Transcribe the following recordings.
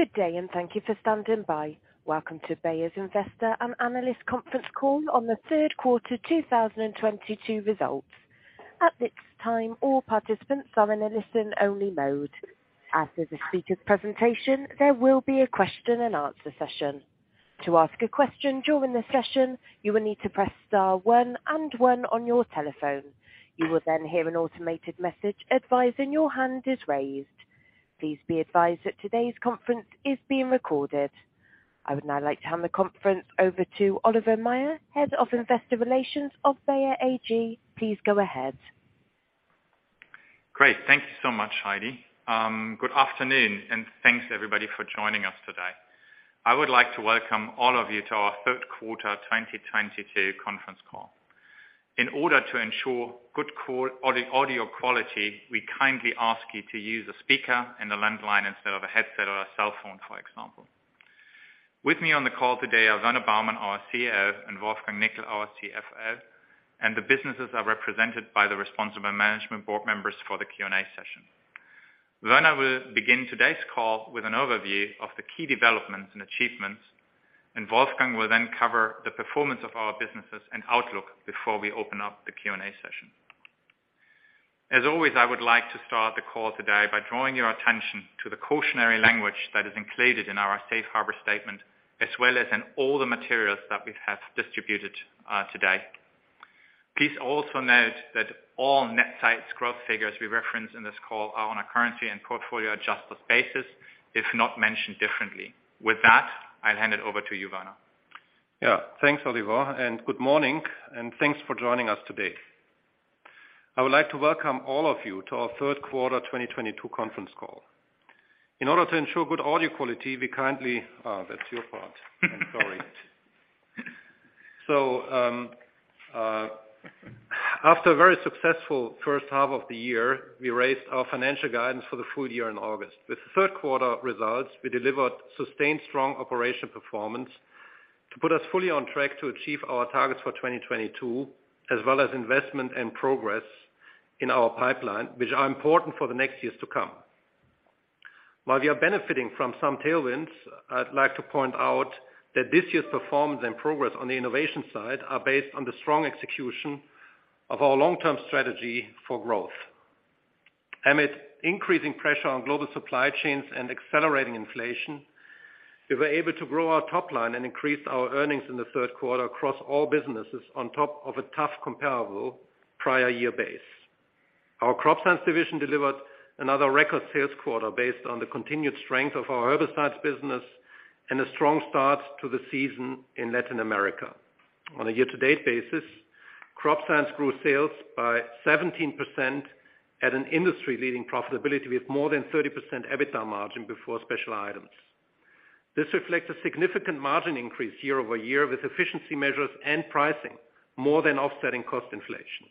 Good day, and thank you for standing by. Welcome to Bayer's investor and analyst conference call on the third quarter 2022 results. At this time, all participants are in a listen-only mode. After the speaker's presentation, there will be a question-and-answer session. To ask a question during the session, you will need to press star one and one on your telephone. You will then hear an automated message advising your hand is raised. Please be advised that today's conference is being recorded. I would now like to hand the conference over to Oliver Maier, Head of Investor Relations of Bayer AG. Please go ahead. Great. Thank you so much, Heidi. Good afternoon, and thanks to everybody for joining us today. I would like to welcome all of you to our third quarter 2022 conference call. In order to ensure good audio quality, we kindly ask you to use a speaker and a landline instead of a headset or a cell phone, for example. With me on the call today are Werner Baumann, our CEO, and Wolfgang Nickl, our CFO, and the businesses are represented by the responsible management board members for the Q&A session. Werner will begin today's call with an overview of the key developments and achievements, and Wolfgang will then cover the performance of our businesses and outlook before we open up the Q&A session. As always, I would like to start the call today by drawing your attention to the cautionary language that is included in our safe harbor statement, as well as in all the materials that we have distributed, today. Please also note that all net sales growth figures we reference in this call are on a currency and portfolio-adjusted basis, if not mentioned differently. With that, I'll hand it over to you, Werner. Yeah. Thanks, Oliver, and good morning, and thanks for joining us today. I would like to welcome all of you to our third quarter 2022 conference call. After a very successful first half of the year, we raised our financial guidance for the full year in August. With the third quarter results, we delivered sustained strong operational performance to put us fully on track to achieve our targets for 2022, as well as investment and progress in our pipeline, which are important for the next years to come. While we are benefiting from some tailwinds, I'd like to point out that this year's performance and progress on the innovation side are based on the strong execution of our long-term strategy for growth. Amid increasing pressure on global supply chains and accelerating inflation, we were able to grow our top line and increase our earnings in the third quarter across all businesses on top of a tough comparable prior year base. Our Crop Science division delivered another record sales quarter based on the continued strength of our herbicides business and a strong start to the season in Latin America. On a year-to-date basis, Crop Science grew sales by 17% at an industry-leading profitability with more than 30% EBITDA margin before special items. This reflects a significant margin increase year-over-year with efficiency measures and pricing more than offsetting cost inflation.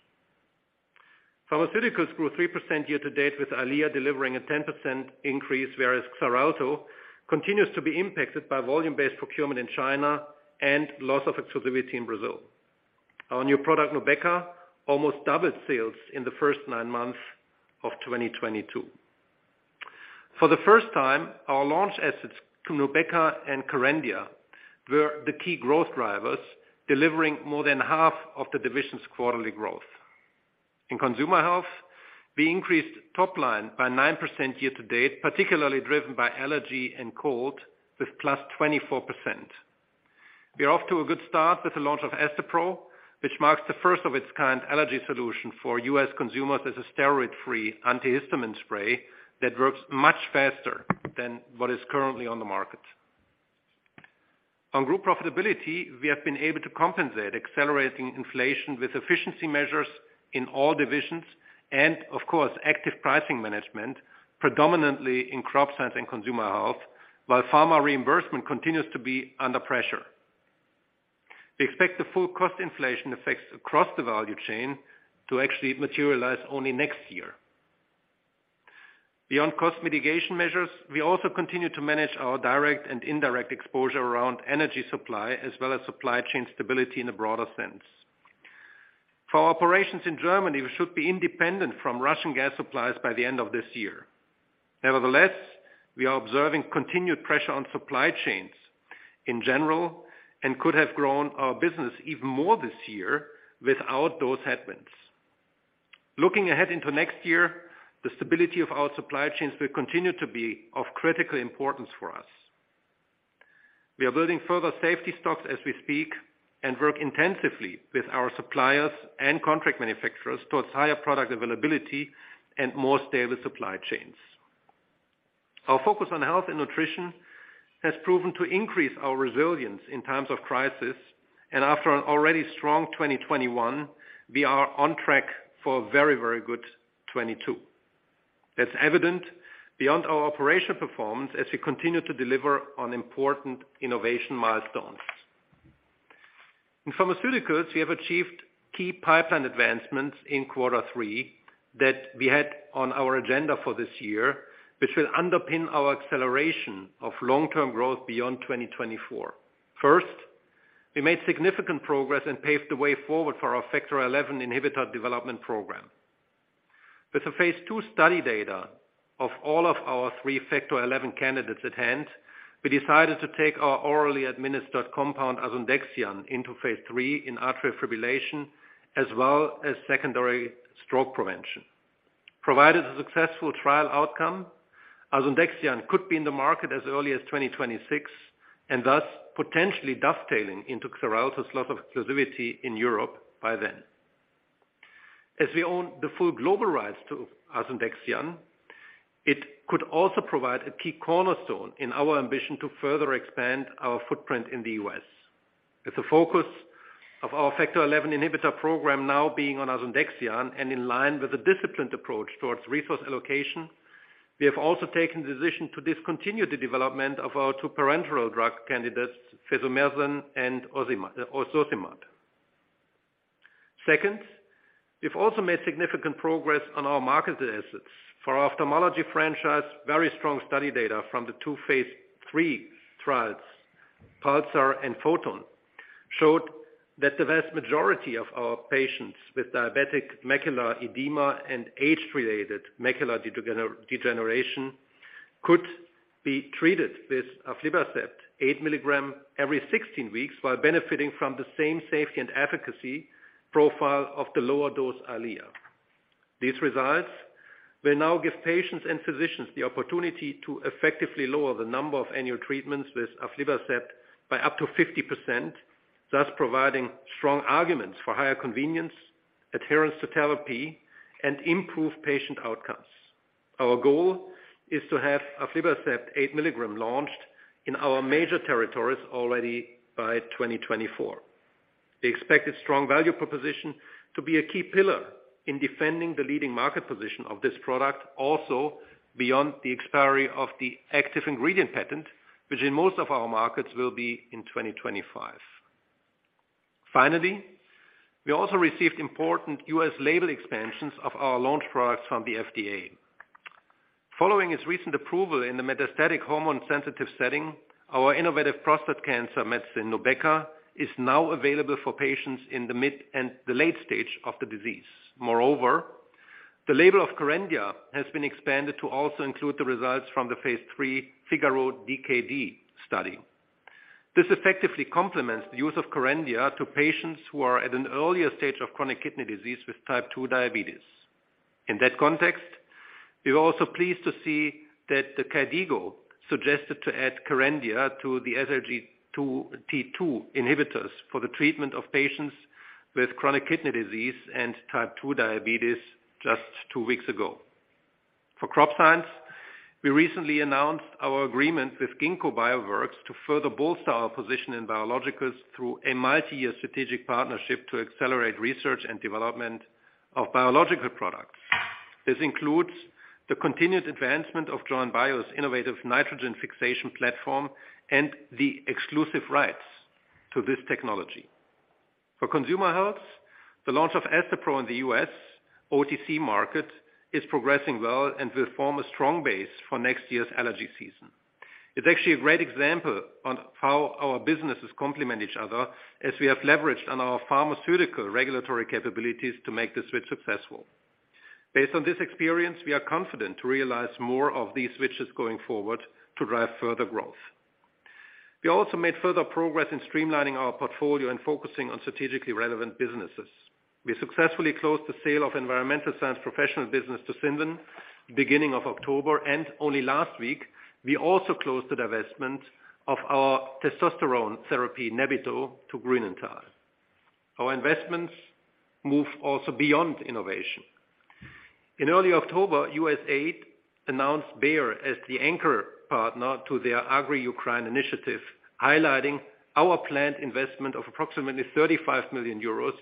Pharmaceuticals grew 3% year-to-date with Eylea delivering a 10% increase, whereas Xarelto continues to be impacted by volume-based procurement in China and loss of exclusivity in Brazil. Our new product, Nubeqa, almost doubled sales in the first nine months of 2022. For the first time, our launch assets, Nubeqa and Kerendia, were the key growth drivers, delivering more than half of the division's quarterly growth. In Consumer Health, we increased top line by 9% year to date, particularly driven by allergy and cold with +24%. We are off to a good start with the launch of Astepro, which marks the first of its kind allergy solution for U.S. consumers as a steroid-free antihistamine spray that works much faster than what is currently on the market. On group profitability, we have been able to compensate accelerating inflation with efficiency measures in all divisions and, of course, active pricing management, predominantly in Crop Science and Consumer Health, while Pharma reimbursement continues to be under pressure. We expect the full cost inflation effects across the value chain to actually materialize only next year. Beyond cost mitigation measures, we also continue to manage our direct and indirect exposure around energy supply as well as supply chain stability in a broader sense. For our operations in Germany, we should be independent from Russian gas supplies by the end of this year. Nevertheless, we are observing continued pressure on supply chains in general and could have grown our business even more this year without those headwinds. Looking ahead into next year, the stability of our supply chains will continue to be of critical importance for us. We are building further safety stocks as we speak and work intensively with our suppliers and contract manufacturers towards higher product availability and more stable supply chains. Our focus on health and nutrition has proven to increase our resilience in times of crisis. After an already strong 2021, we are on track for a very, very good 2022. That's evident beyond our operational performance as we continue to deliver on important innovation milestones. In pharmaceuticals, we have achieved key pipeline advancements in quarter three that we had on our agenda for this year, which will underpin our acceleration of long-term growth beyond 2024. First, we made significant progress and paved the way forward for our Factor XI inhibitor development program. With the phase II study data of all of our three Factor XI candidates at hand, we decided to take our orally administered compound, asundexian, into phase II in atrial fibrillation, as well as secondary stroke prevention. Provided a successful trial outcome, asundexian could be in the market as early as 2026, and thus potentially dovetailing into Xarelto's loss of exclusivity in Europe by then. As we own the full global rights to asundexian, it could also provide a key cornerstone in our ambition to further expand our footprint in the U.S. With the focus of our Factor XI inhibitor program now being on asundexian and in line with a disciplined approach towards resource allocation, we have also taken the decision to discontinue the development of our two parenteral drug candidates, fesomersen and osocimab. Second, we've also made significant progress on our marketed assets. For our ophthalmology franchise, very strong study data from the two phase II trials, PULSAR and PHOTON, showed that the vast majority of our patients with diabetic macular edema and age-related macular degeneration could be treated with aflibercept 8 mg every 16 weeks while benefiting from the same safety and efficacy profile of the lower dose Eylea. These results will now give patients and physicians the opportunity to effectively lower the number of annual treatments with aflibercept by up to 50%, thus providing strong arguments for higher convenience, adherence to therapy, and improved patient outcomes. Our goal is to have aflibercept 8 mg launched in our major territories already by 2024. We expect its strong value proposition to be a key pillar in defending the leading market position of this product also beyond the expiry of the active ingredient patent, which in most of our markets will be in 2025. Finally, we also received important U.S. label expansions of our launch products from the FDA. Following its recent approval in the metastatic hormone-sensitive setting, our innovative prostate cancer medicine, Nubeqa, is now available for patients in the mid and the late stage of the disease. Moreover, the label of Kerendia has been expanded to also include the results from the phase III FIGARO-DKD study. This effectively complements the use of Kerendia to patients who are at an earlier stage of chronic kidney disease with type 2 diabetes. In that context, we were also pleased to see that the KDIGO suggested to add Kerendia to the SGLT-2 inhibitors for the treatment of patients with chronic kidney disease and type 2 diabetes just two weeks ago. For Crop Science, we recently announced our agreement with Ginkgo Bioworks to further bolster our position in biologicals through a multi-year strategic partnership to accelerate research and development of biological products. This includes the continued advancement of Joyn Bio's innovative nitrogen fixation platform and the exclusive rights to this technology. For Consumer Health, the launch of Astepro in the U.S. OTC market is progressing well and will form a strong base for next year's allergy season. It's actually a great example on how our businesses complement each other as we have leveraged on our pharmaceutical regulatory capabilities to make the switch successful. Based on this experience, we are confident to realize more of these switches going forward to drive further growth. We also made further progress in streamlining our portfolio and focusing on strategically relevant businesses. We successfully closed the sale of Environmental Science Professional business to Cinven beginning of October, and only last week, we also closed the divestment of our testosterone therapy, Nebido, to Grünenthal. Our investments move also beyond innovation. In early October, USAID announced Bayer as the anchor partner to their AGRI-Ukraine initiative, highlighting our planned investment of approximately 35 million euros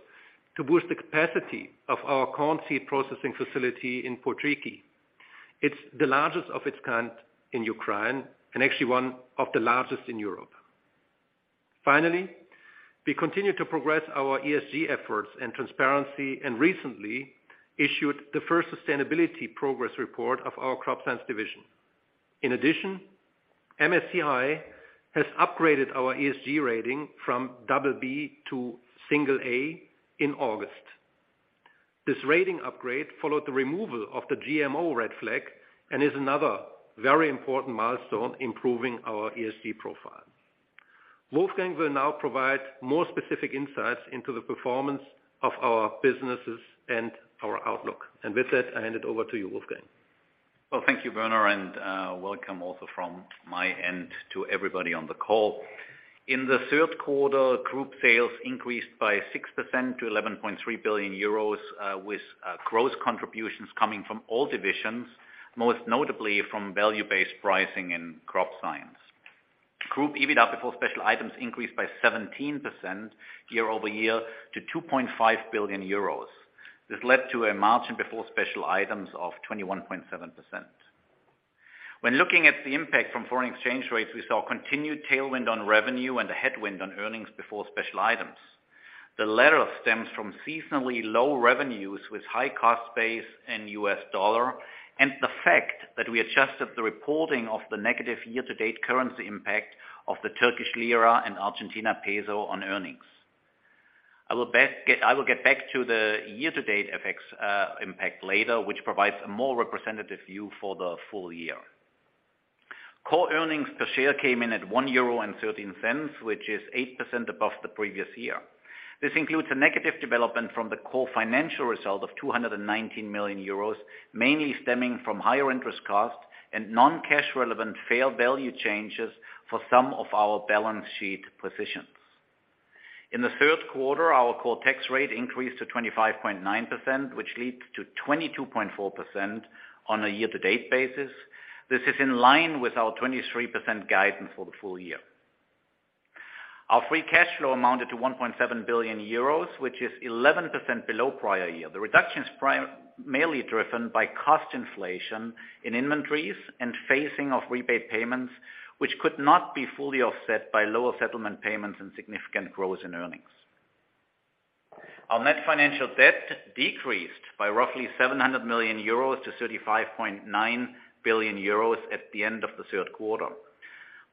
to boost the capacity of our corn seed processing facility in Pochuiky. It's the largest of its kind in Ukraine and actually one of the largest in Europe. Finally, we continue to progress our ESG efforts and transparency and recently issued the first sustainability progress report of our Crop Science division. In addition, MSCI has upgraded our ESG rating from BB to A in August. This rating upgrade followed the removal of the GMO red flag and is another very important milestone improving our ESG profile. Wolfgang will now provide more specific insights into the performance of our businesses and our outlook. With that, I hand it over to you, Wolfgang. Well, thank you, Werner, and welcome also from my end to everybody on the call. In the third quarter, group sales increased by 6% to 11.3 billion euros, with growth contributions coming from all divisions, most notably from value-based pricing in Crop Science. Group EBITDA before special items increased by 17% year-over-year to 2.5 billion euros. This led to a margin before special items of 21.7%. When looking at the impact from foreign exchange rates, we saw continued tailwind on revenue and a headwind on earnings before special items. The latter stems from seasonally low revenues with high cost base in U.S. dollar and the fact that we adjusted the reporting of the negative year-to-date currency impact of the Turkish lira and Argentine peso on earnings. I will get back to the year-to-date FX impact later, which provides a more representative view for the full year. Core earnings per share came in at 1.13 euro, which is 8% above the previous year. This includes a negative development from the core financial result of 219 million euros, mainly stemming from higher interest costs and non-cash relevant fair value changes for some of our balance sheet positions. In the third quarter, our core tax rate increased to 25.9%, which leads to 22.4% on a year-to-date basis. This is in line with our 23% guidance for the full year. Our free cash flow amounted to 1.7 billion euros, which is 11% below prior year. The reduction is mainly driven by cost inflation in inventories and phasing of rebate payments, which could not be fully offset by lower settlement payments and significant growth in earnings. Our net financial debt decreased by roughly 700 million euros to 35.9 billion euros at the end of the third quarter.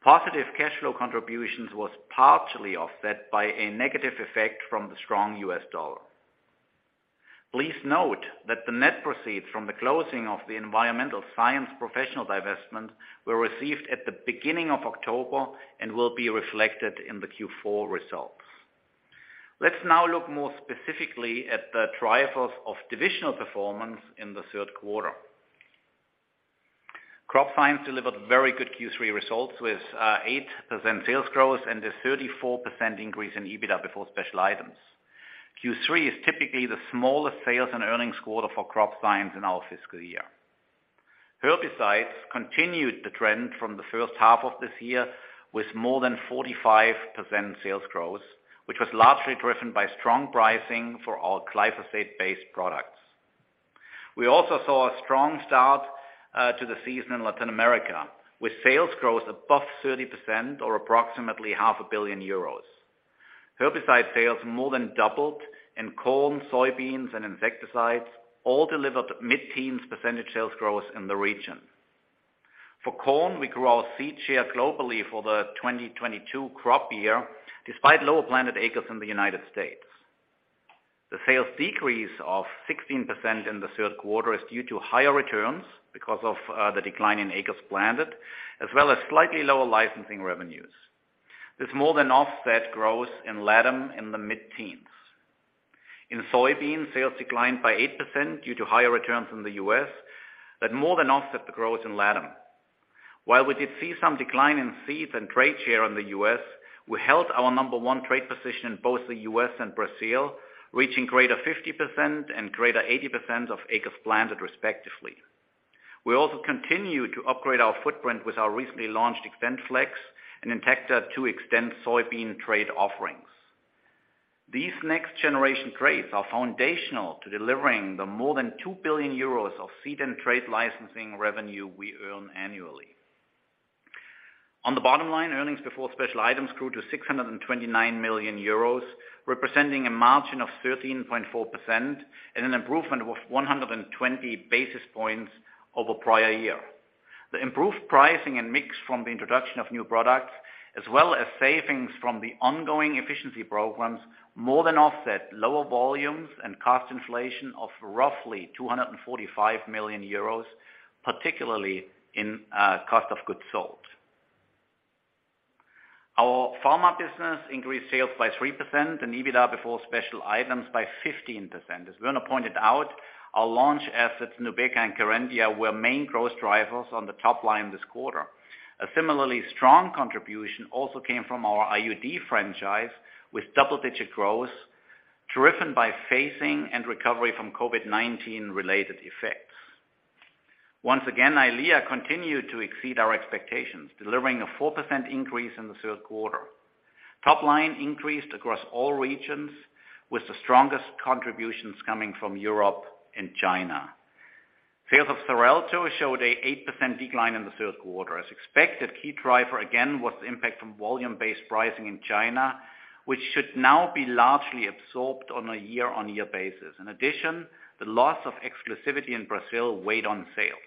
Positive cash flow contributions was partially offset by a negative effect from the strong U.S dollar. Please note that the net proceeds from the closing of the Environmental Science Professional divestment were received at the beginning of October and will be reflected in the Q4 results. Let's now look more specifically at the drivers of divisional performance in the third quarter. Crop Science delivered very good Q3 results, with 8% sales growth and a 34% increase in EBITDA before special items. Q3 is typically the smallest sales and earnings quarter for Crop Science in our fiscal year. Herbicides continued the trend from the first half of this year with more than 45% sales growth, which was largely driven by strong pricing for our glyphosate-based products. We also saw a strong start to the season in Latin America, with sales growth above 30% or approximately 500 million euros. Herbicide sales more than doubled in corn, soybeans and insecticides, all delivered mid-teens percentage sales growth in the region. For corn, we grew our seed share globally for the 2022 crop year, despite lower planted acres in the United States. The sales decrease of 16% in the third quarter is due to higher returns because of the decline in acres planted, as well as slightly lower licensing revenues. This more than offset growth in LatAm in the mid-teens. In soybeans, sales declined by 8% due to higher returns in the U.S., but more than offset the growth in LatAm. While we did see some decline in seeds and trait share in the U.S., we held our number one trait position in both the U.S. and Brazil, reaching greater than 50% and greater than 80% of acres planted respectively. We also continue to upgrade our footprint with our recently launched XtendFlex and Intacta to extend soybean trait offerings. These next-generation traits are foundational to delivering the more than 2 billion euros of seed and trait licensing revenue we earn annually. On the bottom line, earnings before special items grew to 629 million euros, representing a margin of 13.4% and an improvement of 120 basis points over prior year. The improved pricing and mix from the introduction of new products, as well as savings from the ongoing efficiency programs, more than offset lower volumes and cost inflation of roughly 245 million euros, particularly in cost of goods sold. Our Pharma business increased sales by 3% and EBITDA before special items by 15%. As Werner pointed out, our launch assets, Nubeqa and Kerendia, were main growth drivers on the top line this quarter. A similarly strong contribution also came from our IUD franchise, with double-digit growth driven by phasing and recovery from COVID-19 related effects. Once again, Eylea continued to exceed our expectations, delivering a 4% increase in the third quarter. Top line increased across all regions, with the strongest contributions coming from Europe and China. Sales of Xarelto showed an 8% decline in the third quarter. As expected, key driver, again, was the impact from volume-based procurement in China, which should now be largely absorbed on a year-on-year basis. In addition, the loss of exclusivity in Brazil weighed on sales.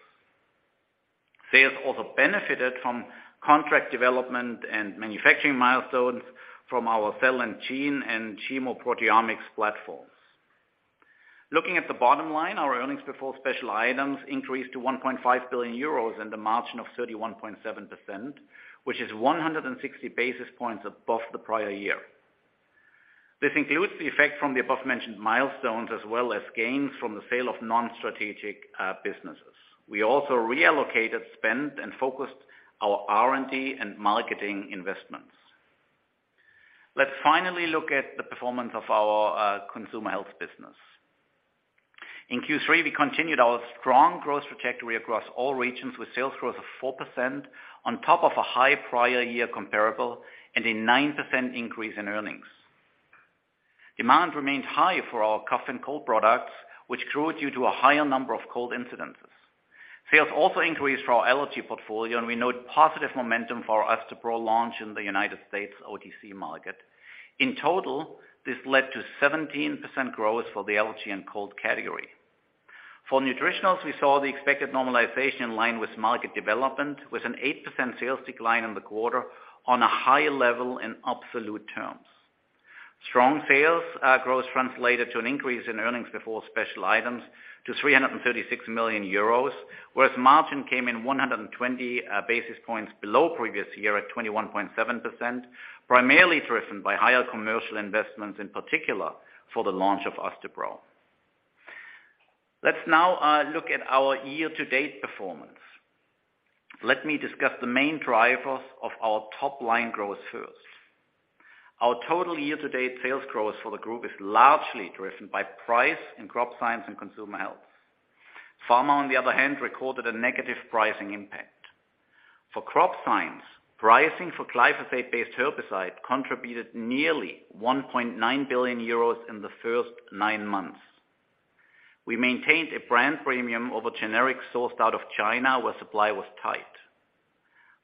Sales also benefited from contract development and manufacturing milestones from our cell and gene and chemoproteomics platforms. Looking at the bottom line, our earnings before special items increased to 1.5 billion euros and a margin of 31.7%, which is 160 basis points above the prior year. This includes the effect from the above-mentioned milestones as well as gains from the sale of non-strategic businesses. We also reallocated spend and focused our R&D and marketing investments. Let's finally look at the performance of our Consumer Health business. In Q3, we continued our strong growth trajectory across all regions with sales growth of 4% on top of a high prior year comparable and a 9% increase in earnings. Demand remained high for our cough and cold products, which grew due to a higher number of cold incidences. Sales also increased for our allergy portfolio, and we note positive momentum for our Astepro launch in the United States OTC market. In total, this led to 17% growth for the allergy and cold category. For Nutritionals, we saw the expected normalization in line with market development, with an 8% sales decline in the quarter on a higher level in absolute terms. Strong sales growth translated to an increase in earnings before special items to 336 million euros, whereas margin came in 120 basis points below previous year at 21.7%, primarily driven by higher commercial investments, in particular for the launch of Astepro. Let's now look at our year-to-date performance. Let me discuss the main drivers of our top-line growth first. Our total year-to-date sales growth for the group is largely driven by price in Crop Science and Consumer Health. Pharma, on the other hand, recorded a negative pricing impact. For Crop Science, pricing for glyphosate-based herbicide contributed nearly 1.9 billion euros in the first nine months. We maintained a brand premium over generics sourced out of China, where supply was tight.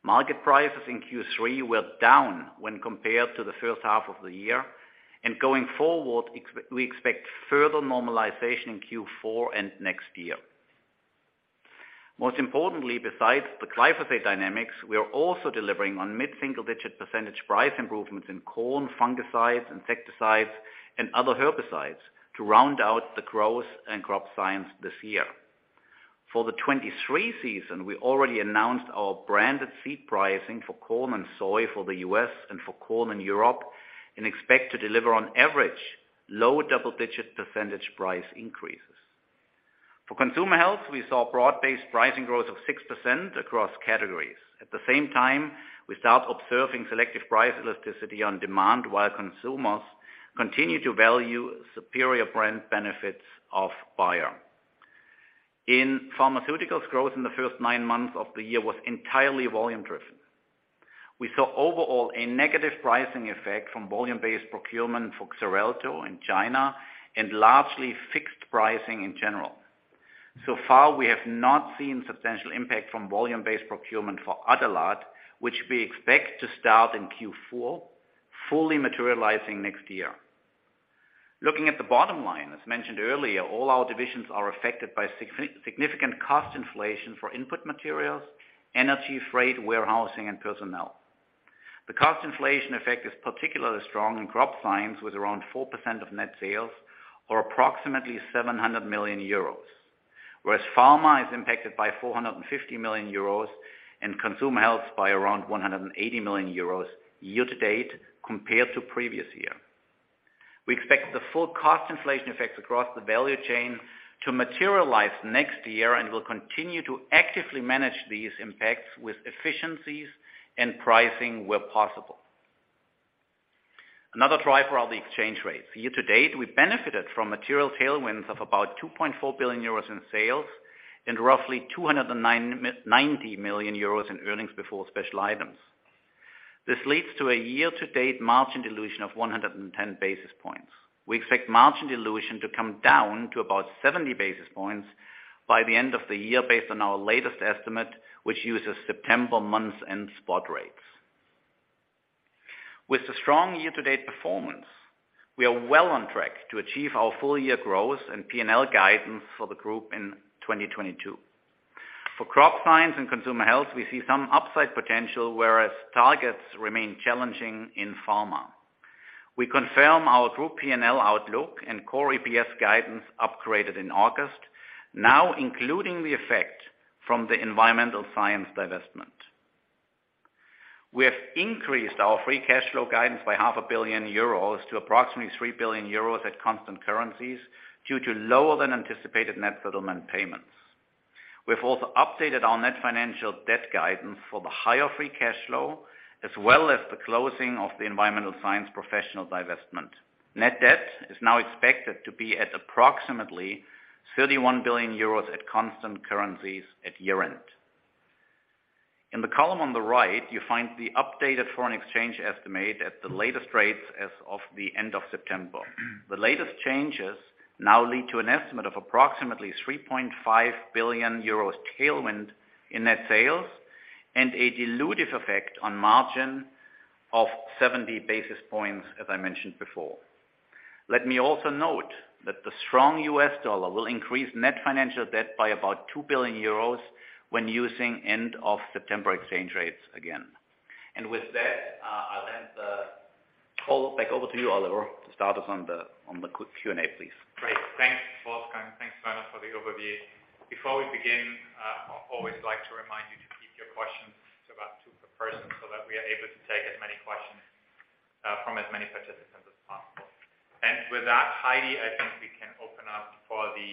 Market prices in Q3 were down when compared to the first half of the year, and going forward we expect further normalization in Q4 and next year. Most importantly, besides the glyphosate dynamics, we are also delivering on mid-single-digit percentage price improvements in corn, fungicides, insecticides, and other herbicides to round out the growth in Crop Science this year. For the 2023 season, we already announced our branded seed pricing for corn and soy for the U.S. and for corn in Europe, and expect to deliver on average low double-digit percentage price increases. For Consumer Health, we saw broad-based pricing growth of 6% across categories. At the same time, we start observing selective price elasticity on demand, while consumers continue to value superior brand benefits of Bayer. In Pharmaceuticals, growth in the first nine months of the year was entirely volume driven. We saw overall a negative pricing effect from volume-based procurement for Xarelto in China and largely fixed pricing in general. So far, we have not seen substantial impact from volume-based procurement for Adalat, which we expect to start in Q4, fully materializing next year. Looking at the bottom line, as mentioned earlier, all our divisions are affected by significant cost inflation for input materials, energy, freight, warehousing, and personnel. The cost inflation effect is particularly strong in Crop Science, with around 4% of net sales or approximately 700 million euros. Pharma is impacted by 450 million euros, and Consumer Health by around 180 million euros year to date compared to previous year. We expect the full cost inflation effects across the value chain to materialize next year, and we'll continue to actively manage these impacts with efficiencies and pricing where possible. Another driver are the exchange rates. Year to date, we benefited from material tailwinds of about 2.4 billion euros in sales and roughly 290 million euros in earnings before special items. This leads to a year-to-date margin dilution of 110 basis points. We expect margin dilution to come down to about 70 basis points by the end of the year based on our latest estimate, which uses September month-end spot rates. With the strong year-to-date performance, we are well on track to achieve our full year growth and P&L guidance for the group in 2022. For Crop Science and Consumer Health, we see some upside potential, whereas targets remain challenging in Pharma. We confirm our group P&L outlook and core EPS guidance upgraded in August, now including the effect from the Environmental Science divestment. We have increased our free cash flow guidance by 500 million euros to approximately 3 billion euros at constant currencies due to lower than anticipated net settlement payments. We've also updated our net financial debt guidance for the higher free cash flow, as well as the closing of the Environmental Science Professional divestment. Net debt is now expected to be at approximately 31 billion euros at constant currencies at year-end. In the column on the right, you find the updated foreign exchange estimate at the latest rates as of the end of September. The latest changes now lead to an estimate of approximately 3.5 billion euros tailwind in net sales and a dilutive effect on margin of 70 basis points, as I mentioned before. Let me also note that the strong U.S. dollar will increase net financial debt by about 2 billion euros when using end of September exchange rates again. With that, I'll hand the call back over to you, Oliver, to start us on the Q&A, please. Great. Thanks, Wolfgang. Thanks, Werner, for the overview. Before we begin, I always like to remind you to keep your questions to about two per person so that we are able to take as many questions, from as many participants as possible. With that, Heidi, I think we can open up for the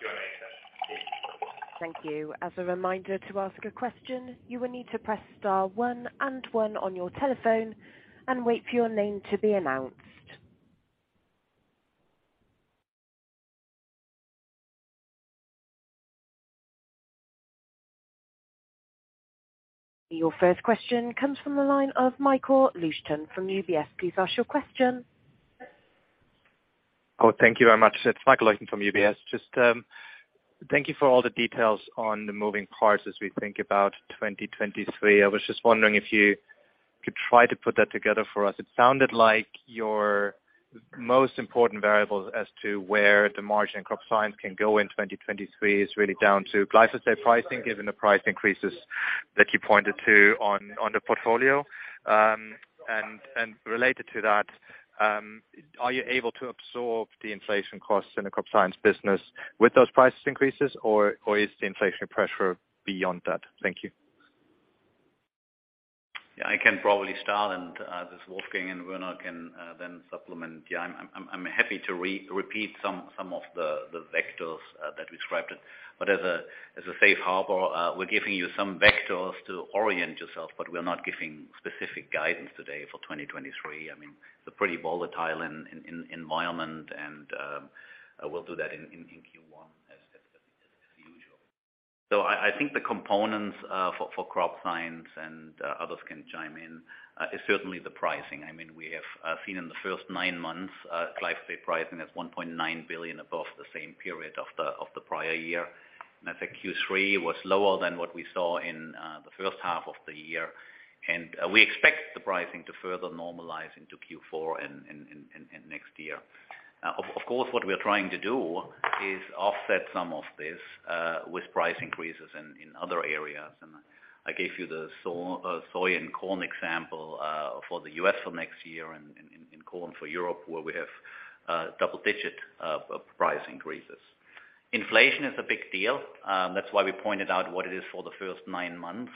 Q&A session please. Thank you. As a reminder, to ask a question, you will need to press star one and one on your telephone and wait for your name to be announced. Your first question comes from the line of Michael Leuchten from UBS. Please ask your question. Oh, thank you very much. It's Michael Leuchten from UBS. Just, thank you for all the details on the moving parts as we think about 2023. I was just wondering if you Could try to put that together for us. It sounded like your most important variables as to where the margin Crop Science can go in 2023 is really down to glyphosate pricing, given the price increases that you pointed to on the portfolio. And related to that, are you able to absorb the inflation costs in the Crop Science business with those price increases or is the inflationary pressure beyond that? Thank you. I can probably start and this Wolfgang and Werner can then supplement. I'm happy to repeat some of the vectors that described it. As a safe harbor, we're giving you some vectors to orient yourself, but we're not giving specific guidance today for 2023. I mean, they're pretty volatile in this environment and we'll do that in Q1 as usual. I think the components for Crop Science and others can chime in is certainly the pricing. I mean, we have seen in the first nine months glyphosate pricing at 1.9 billion above the same period of the prior year. I think Q3 was lower than what we saw in the first half of the year. We expect the pricing to further normalize into Q4 and next year. Of course, what we are trying to do is offset some of this with price increases in other areas. I gave you the soy and corn example for the U.S. For next year and in corn for Europe, where we have double-digit price increases. Inflation is a big deal, that's why we pointed out what it is for the first nine months.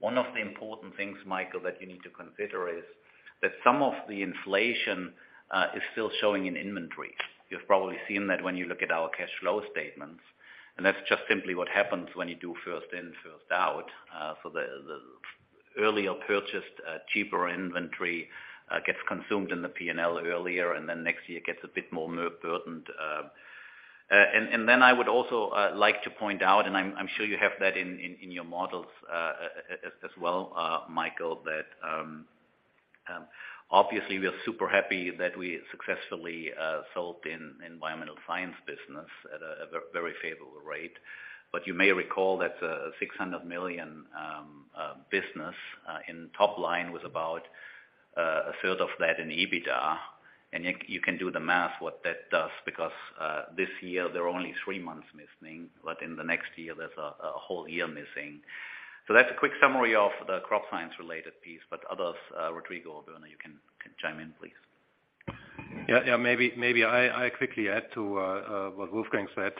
One of the important things, Michael, that you need to consider is that some of the inflation is still showing in inventory. You've probably seen that when you look at our cash flow statements, and that's just simply what happens when you do first in, first out, for the earlier purchased, cheaper inventory gets consumed in the P&L earlier, and then next year it gets a bit more burdened. Then I would also like to point out, and I'm sure you have that in your models, as well, Michael, that obviously we are super happy that we successfully sold our Environmental Science business at a very favorable rate. You may recall that 600 million business in top line was about 1/3 of that in EBITDA. You can do the math what that does because this year there are only three months missing, but in the next year there's a whole year missing. That's a quick summary of the Crop Science-related piece, but others, Rodrigo or Werner, you can chime in, please. Yeah. Maybe I quickly add to what Wolfgang said.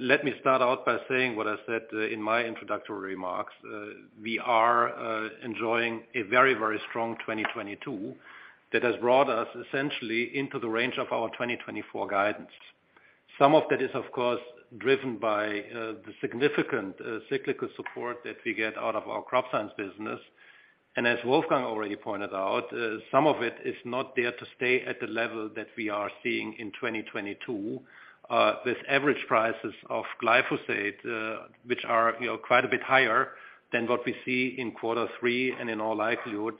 Let me start out by saying what I said in my introductory remarks. We are enjoying a very strong 2022 that has brought us essentially into the range of our 2024 guidance. Some of that is, of course, driven by the significant cyclical support that we get out of our Crop Science business. As Wolfgang already pointed out, some of it is not there to stay at the level that we are seeing in 2022. With average prices of glyphosate, which are, you know, quite a bit higher than what we see in quarter three, and in all likelihood,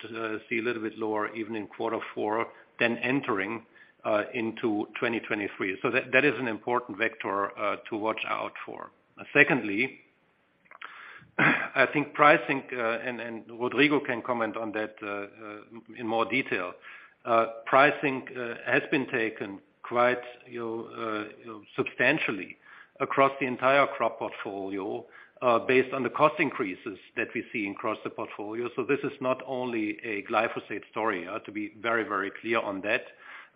see a little bit lower even in quarter four than entering into 2023. That is an important vector to watch out for. Secondly, I think pricing and Rodrigo can comment on that in more detail. Pricing has been taken quite, you know, substantially across the entire crop portfolio based on the cost increases that we see across the portfolio. This is not only a glyphosate story to be very clear on that.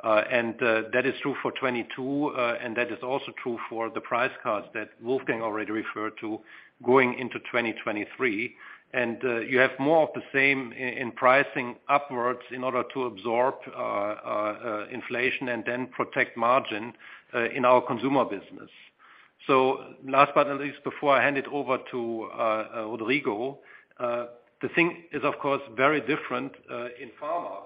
That is true for 2022 and that is also true for the price cuts that Wolfgang already referred to going into 2023. You have more of the same in pricing upwards in order to absorb inflation and then protect margin in our Consumer business. Last but not least, before I hand it over to Rodrigo, the thing is, of course, very different in pharma.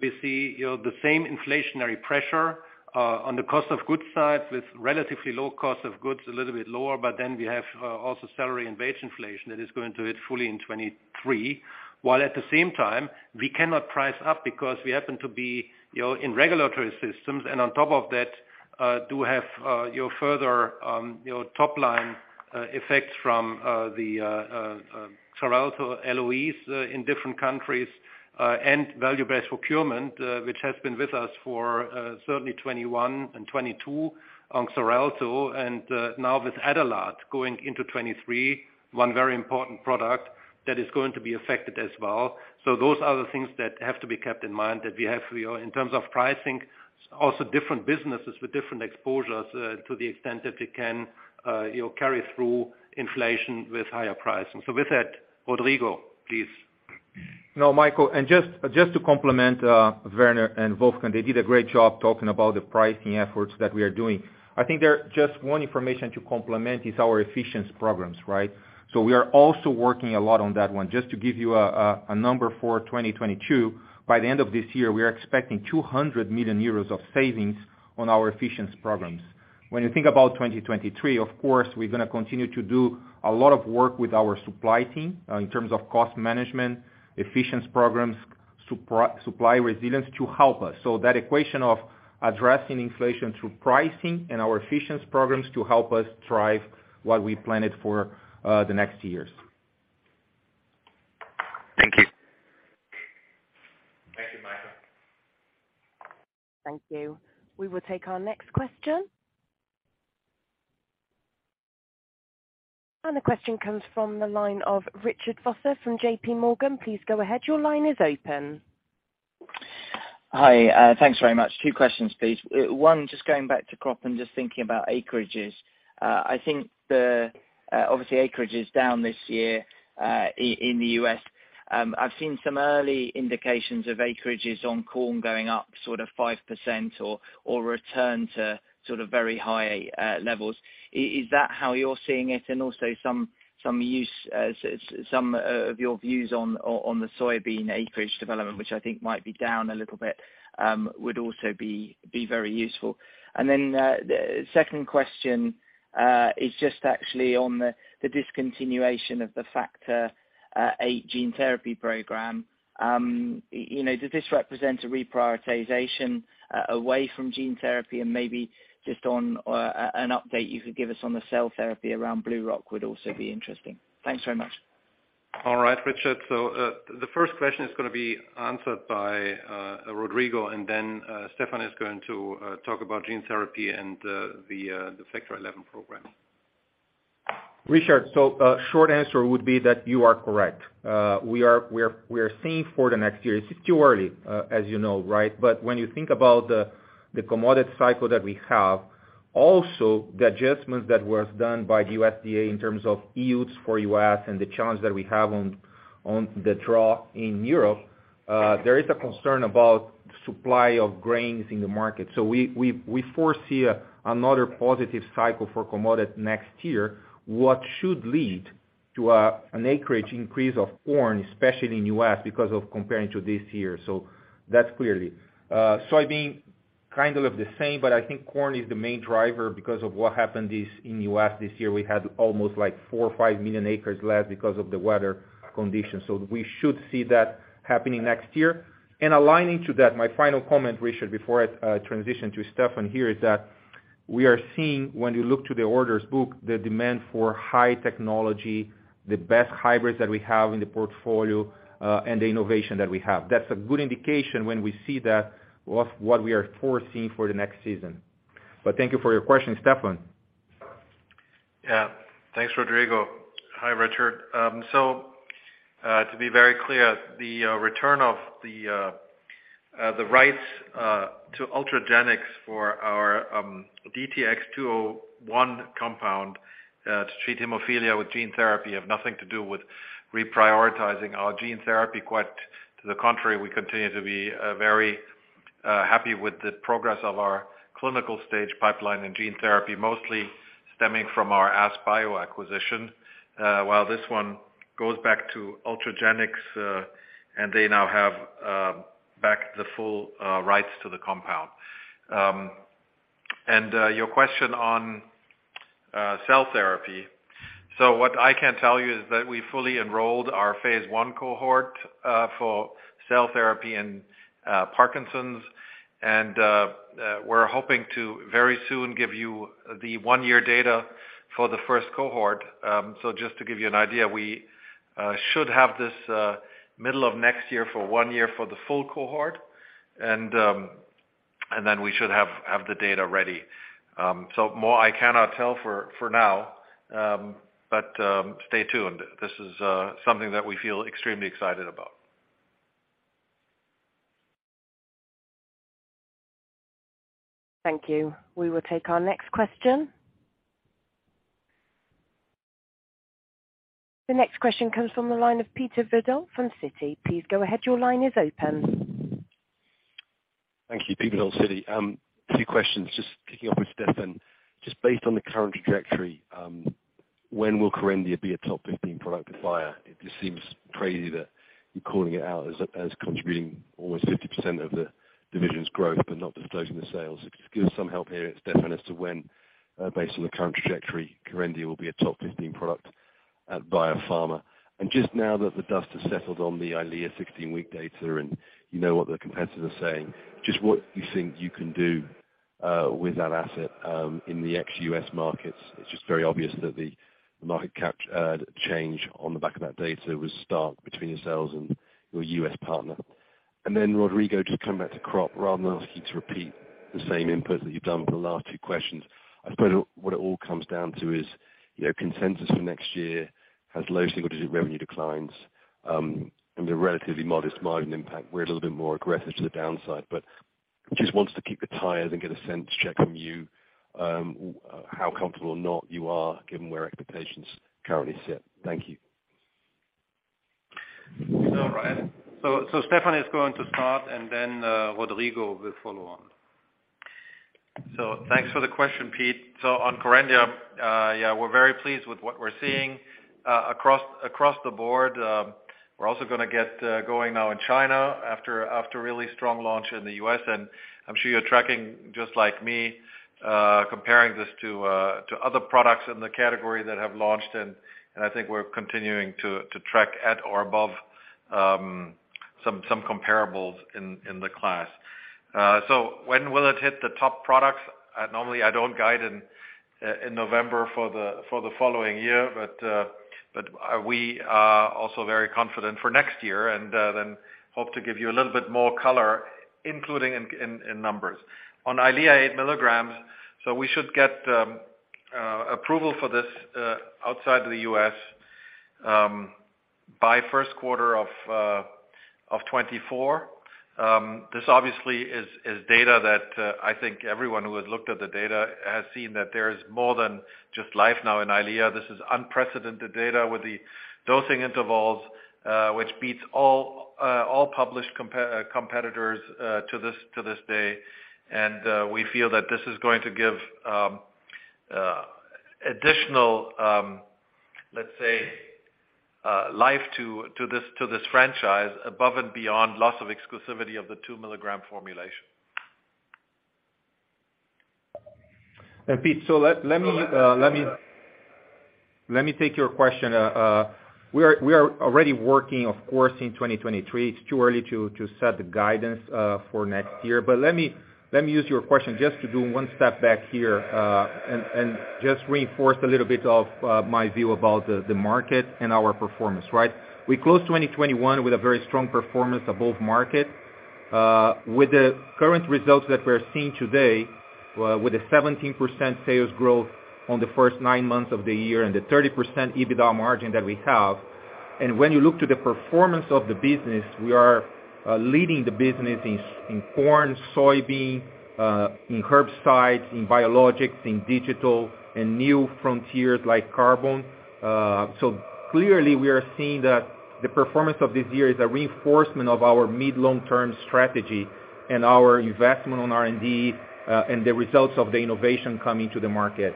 We see, you know, the same inflationary pressure on the cost of goods side with relatively low cost of goods, a little bit lower, but then we have also salary and wage inflation that is going to hit fully in 2023. While at the same time, we cannot price up because we happen to be, you know, in regulatory systems and on top of that, do have, you know, further, you know, top line effects from the Xarelto LOEs in different countries, and volume-based procurement, which has been with us for certainly 2021 and 2022 on Xarelto and, now with Adalat going into 2023, one very important product that is going to be affected as well. Those are the things that have to be kept in mind that we have, you know, in terms of pricing, also different businesses with different exposures, to the extent that they can, you know, carry through inflation with higher pricing. With that, Rodrigo, please. No, Michael. Just to complement, Werner and Wolfgang, they did a great job talking about the pricing efforts that we are doing. I think there just one information to complement is our efficiency programs, right? We are also working a lot on that one. Just to give you a number for 2022, by the end of this year, we are expecting 200 million euros of savings on our efficiency programs. When you think about 2023, of course, we're gonna continue to do a lot of work with our supply team in terms of cost management, efficiency programs, supply resilience to help us. That equation of addressing inflation through pricing and our efficiency programs to help us drive what we planned for the next years. Thank you. Thank you, Michael. Thank you. We will take our next question. The question comes from the line of Richard Vosser from JPMorgan. Please go ahead. Your line is open. Hi. Thanks very much. Two questions, please. One, just going back to crop and just thinking about acreages. I think obviously acreage is down this year in the U.S. I've seen some early indications of acreages on corn going up sort of 5% or return to sort of very high levels. Is that how you're seeing it? And also some of your views on the soybean acreage development, which I think might be down a little bit, would also be very useful. The second question is just actually on the discontinuation of the Factor VIII gene therapy program. You know, does this represent a reprioritization away from gene therapy and maybe just on an update you could give us on the cell therapy around BlueRock Therapeutics would also be interesting. Thanks very much. All right, Richard. The first question is gonna be answered by Rodrigo, and then Stefan is going to talk about gene therapy and the Factor XI program. Richard, short answer would be that you are correct. We are seeing for the next year. It's too early, as you know, right? When you think about the commodity cycle that we have, also the adjustments that was done by the USDA in terms of yields for U.S. and the challenge that we have on the drought in Europe, there is a concern about supply of grains in the market. We foresee another positive cycle for commodities next year, what should lead to an acreage increase of corn, especially in U.S. because of comparing to this year. That's clearly soybeans, kind of the same, but I think corn is the main driver because of what happened this year in the U.S. We had almost like 4 million acres or 5 million acres less because of the weather conditions. We should see that happening next year. Aligning to that, my final comment, Richard, before I transition to Stefan here, is that we are seeing when you look to the order book, the demand for high technology, the best hybrids that we have in the portfolio, and the innovation that we have. That's a good indication when we see that of what we are foreseeing for the next season. Thank you for your question. Stefan. Yeah. Thanks, Rodrigo. Hi, Richard. To be very clear, the return of the rights to Ultragenyx for our DTX201 compound to treat hemophilia with gene therapy have nothing to do with reprioritizing our gene therapy. Quite to the contrary, we continue to be very happy with the progress of our clinical stage pipeline in gene therapy, mostly stemming from our AskBio acquisition. While this one goes back to Ultragenyx, and they now have back the full rights to the compound. Your question on cell therapy. What I can tell you is that we fully enrolled our phase I cohort for cell therapy in Parkinson's, and we're hoping to very soon give you the one-year data for the first cohort. Just to give you an idea, we should have this middle of next year for one year for the full cohort. We should have the data ready. More I cannot tell for now, but stay tuned. This is something that we feel extremely excited about. Thank you. We will take our next question. The next question comes from the line of Peter Verdult from Citi. Please go ahead. Your line is open. Thank you. Peter Verdult, Citi. Two questions. Just kicking off with Stefan. Just based on the current trajectory, when will Kerendia be a top 15 product Bayer? It just seems crazy that you're calling it out as contributing almost 50% of the division's growth, but not disclosing the sales. If you could give us some help here, Stefan, as to when, based on the current trajectory, Kerendia will be a top 15 product at Biopharma. Just now that the dust has settled on the Eylea 16-week data and you know what the competitors are saying, just what you think you can do with that asset in the ex-U.S. markets. It's just very obvious that the market cap change on the back of that data was stark between yourselves and your U.S. partner. Rodrigo, just come back to crop. Rather than ask you to repeat the same input that you've done for the last two questions, I suppose what it all comes down to is, you know, consensus for next year has low single-digit revenue declines, and a relatively modest margin impact. We're a little bit more aggressive to the downside, but just wanted to keep it tight and get a sense check from you, how comfortable or not you are given where expectations currently sit. Thank you. All right. Stefan is going to start, and then, Rodrigo will follow on. Thanks for the question, Peter. On Kerendia, yeah, we're very pleased with what we're seeing across the board. We're also gonna get going now in China after a really strong launch in the U.S. I'm sure you're tracking just like me, comparing this to other products in the category that have launched, and I think we're continuing to track at or above some comparables in the class. When will it hit the top products? Normally I don't guide in November for the following year, but we are also very confident for next year and then hope to give you a little bit more color, including in numbers. On Eylea 8 mg, we should get approval for this outside the U.S. by first quarter of 2024. This obviously is data that I think everyone who has looked at the data has seen that there is more than just life now in Eylea. This is unprecedented data with the dosing intervals which beats all published competitors to this day. We feel that this is going to give additional, let's say, life to this franchise above and beyond loss of exclusivity of the 2-mg formulation. Pete, let me take your question. We are already working, of course, in 2023. It's too early to set the guidance for next year. Let me use your question just to do one step back here, and just reinforce a little bit of my view about the market and our performance, right? We closed 2021 with a very strong performance above market. With the current results that we're seeing today, with a 17% sales growth on the first nine months of the year and the 30% EBITDA margin that we have, and when you look to the performance of the business, we are leading the business in corn, soybean, in herbicides, in biologicals, in digital and new frontiers like carbon. Clearly we are seeing that the performance of this year is a reinforcement of our mid long-term strategy and our investment on R&D, and the results of the innovation coming to the market.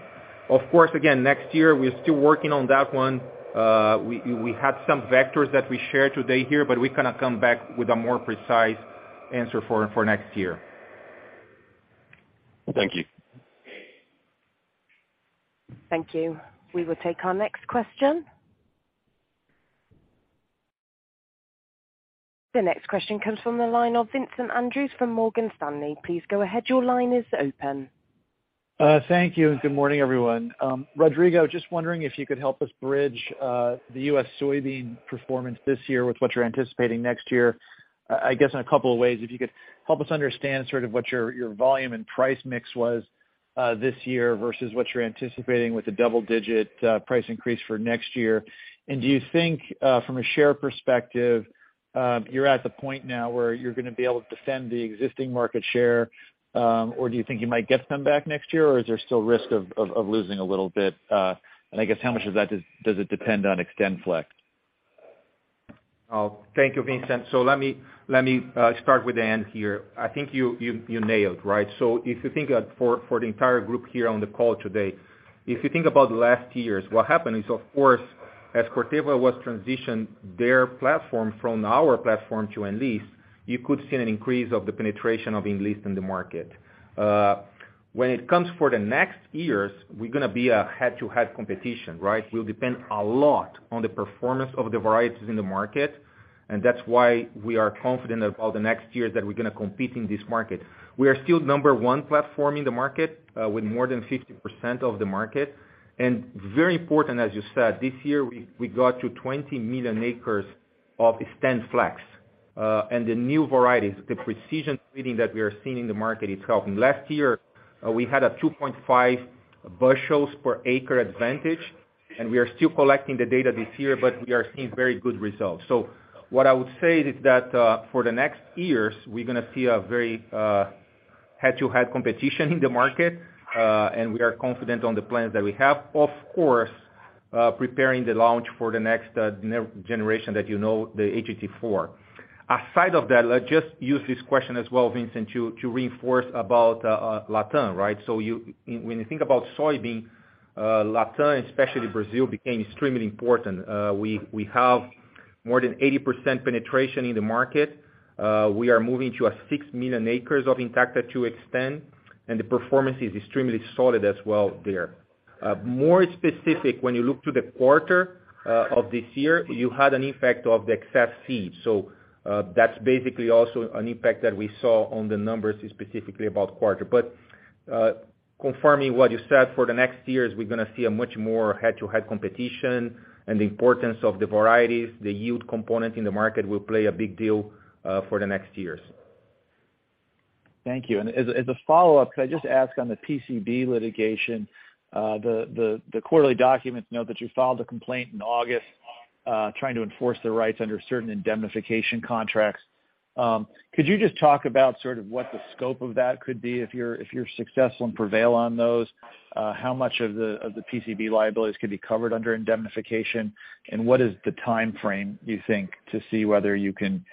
Of course, again, next year we're still working on that one. We had some vectors that we shared today here, but we cannot come back with a more precise answer for next year. Thank you. Thank you. We will take our next question. The next question comes from the line of Vincent Andrews from Morgan Stanley. Please go ahead. Your line is open. Thank you, and good morning, everyone. Rodrigo, just wondering if you could help us bridge the U.S. soybean performance this year with what you're anticipating next year. I guess in a couple of ways, if you could help us understand sort of what your volume and price mix was this year versus what you're anticipating with the double-digit price increase for next year. Do you think from a share perspective you're at the point now where you're gonna be able to defend the existing market share, or do you think you might get some back next year, or is there still risk of losing a little bit? I guess how much of that does it depend on XtendFlex? Oh, thank you, Vincent. Let me start with the end here. I think you nailed it, right? If you think for the entire group here on the call today, if you think about the last years, what happened is, of course, as Corteva transitioned their platform from our platform to Enlist, you could see an increase of the penetration of Enlist in the market. When it comes to the next years, we're gonna be a head-to-head competition, right? We'll depend a lot on the performance of the varieties in the market, and that's why we are confident about the next year that we're gonna compete in this market. We are still number one platform in the market with more than 50% of the market. Very important, as you said, this year we got to 20 million acres of XtendFlex. The new varieties, the precision breeding that we are seeing in the market is helping. Last year, we had a 2.5 bushels per acre advantage, and we are still collecting the data this year, but we are seeing very good results. What I would say is that, for the next years, we're gonna see a very head-to-head competition in the market, and we are confident on the plans that we have. Of course, preparing the launch for the next next-generation that you know, the HT4. Aside from that, I'll just use this question as well, Vincent, to reinforce about Latam, right? So when you think about soybean, LatAm, especially Brazil, became extremely important. We have more than 80% penetration in the market. We are moving to 6 million acres of Intacta 2 Xtend, and the performance is extremely solid as well there. More specific, when you look to the quarter of this year, you had an effect of the excess seed. That's basically also an impact that we saw on the numbers specifically about quarter. Confirming what you said, for the next years, we're gonna see a much more head-to-head competition and the importance of the varieties. The yield component in the market will play a big deal for the next years. Thank you. As a follow-up, could I just ask on the PCB litigation, the quarterly documents note that you filed a complaint in August, trying to enforce the rights under certain indemnification contracts. Could you just talk about sort of what the scope of that could be if you're successful and prevail on those? How much of the PCB liabilities could be covered under indemnification, and what is the timeframe you think to see whether you can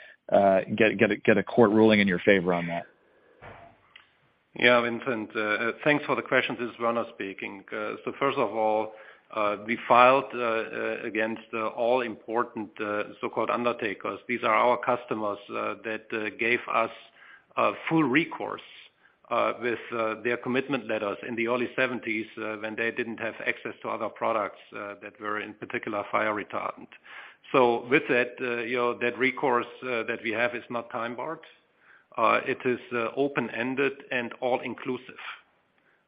get a court ruling in your favor on that? Yeah, Vincent. Thanks for the question. This is Werner speaking. First of all, we filed against all important so-called undertakers. These are our customers that gave us full recourse. With their commitment letters in the early 1970s, when they didn't have access to other products that were, in particular, fire retardant. With that, you know, that recourse that we have is not time-barred. It is open-ended and all-inclusive,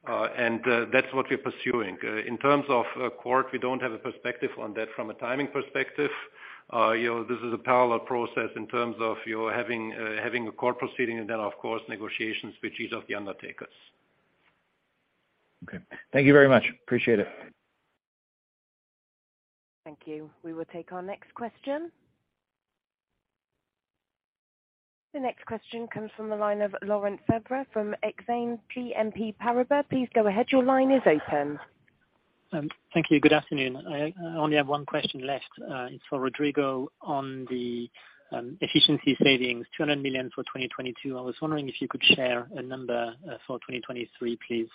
and that's what we're pursuing. In terms of court, we don't have a perspective on that from a timing perspective. You know, this is a parallel process in terms of you're having a court proceeding and then of course, negotiations with each of the underwriters. Okay. Thank you very much. Appreciate it. Thank you. We will take our next question. The next question comes from the line of Laurent Favre from Exane BNP Paribas. Please go ahead. Your line is open. Thank you. Good afternoon. I only have one question left. It's for Rodrigo on the efficiency savings, 200 million for 2022. I was wondering if you could share a number for 2023, please.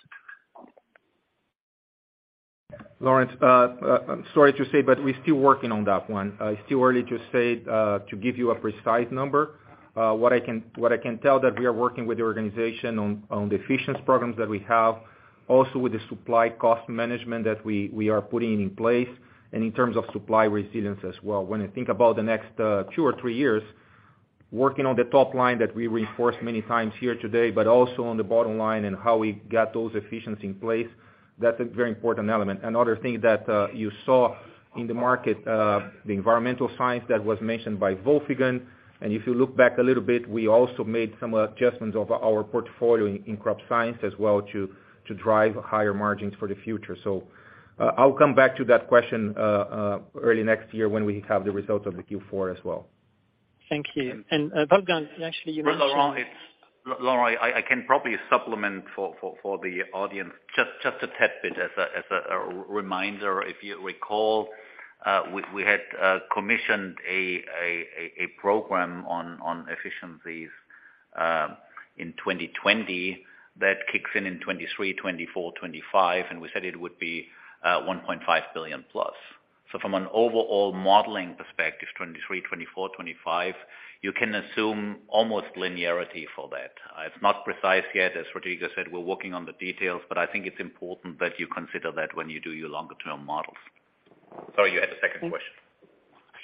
Laurent, I'm sorry to say, but we're still working on that one. It's too early to say to give you a precise number. What I can tell that we are working with the organization on the efficiency programs that we have, also with the supply cost management that we are putting in place and in terms of supply resilience as well. When I think about the next two or three years working on the top line that we reinforce many times here today, but also on the bottom line and how we got those efficiencies in place, that's a very important element. Another thing that you saw in the market, the Environmental Science that was mentioned by Wolfgang, and if you look back a little bit, we also made some adjustments of our portfolio in Crop Science as well to drive higher margins for the future. I'll come back to that question early next year when we have the results of the Q4 as well. Thank you. Wolfgang, actually, you mentioned. Laurent, I can probably supplement for the audience just a tad bit as a reminder. If you recall, we had commissioned a program on efficiencies in 2020 that kicks in in 2023, 2024, 2025, and we said it would be 1.5 billion plus. So from an overall modeling perspective, 2023, 2024, 2025, you can assume almost linearity for that. It's not precise yet. As Rodrigo said, we're working on the details, but I think it's important that you consider that when you do your longer term models. Sorry, you had a second question.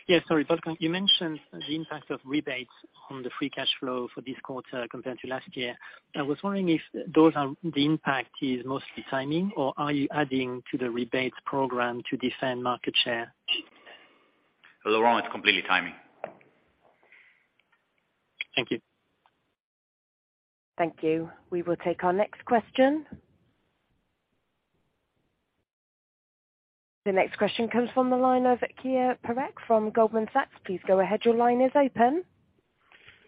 Yeah, sorry. Wolfgang, you mentioned the impact of rebates on the free cash flow for this quarter compared to last year. I was wondering if the impact is mostly timing or are you adding to the rebates program to defend market share? Laurent, it's completely timing. Thank you. Thank you. We will take our next question. The next question comes from the line of Keyur Parekh from Goldman Sachs. Please go ahead. Your line is open.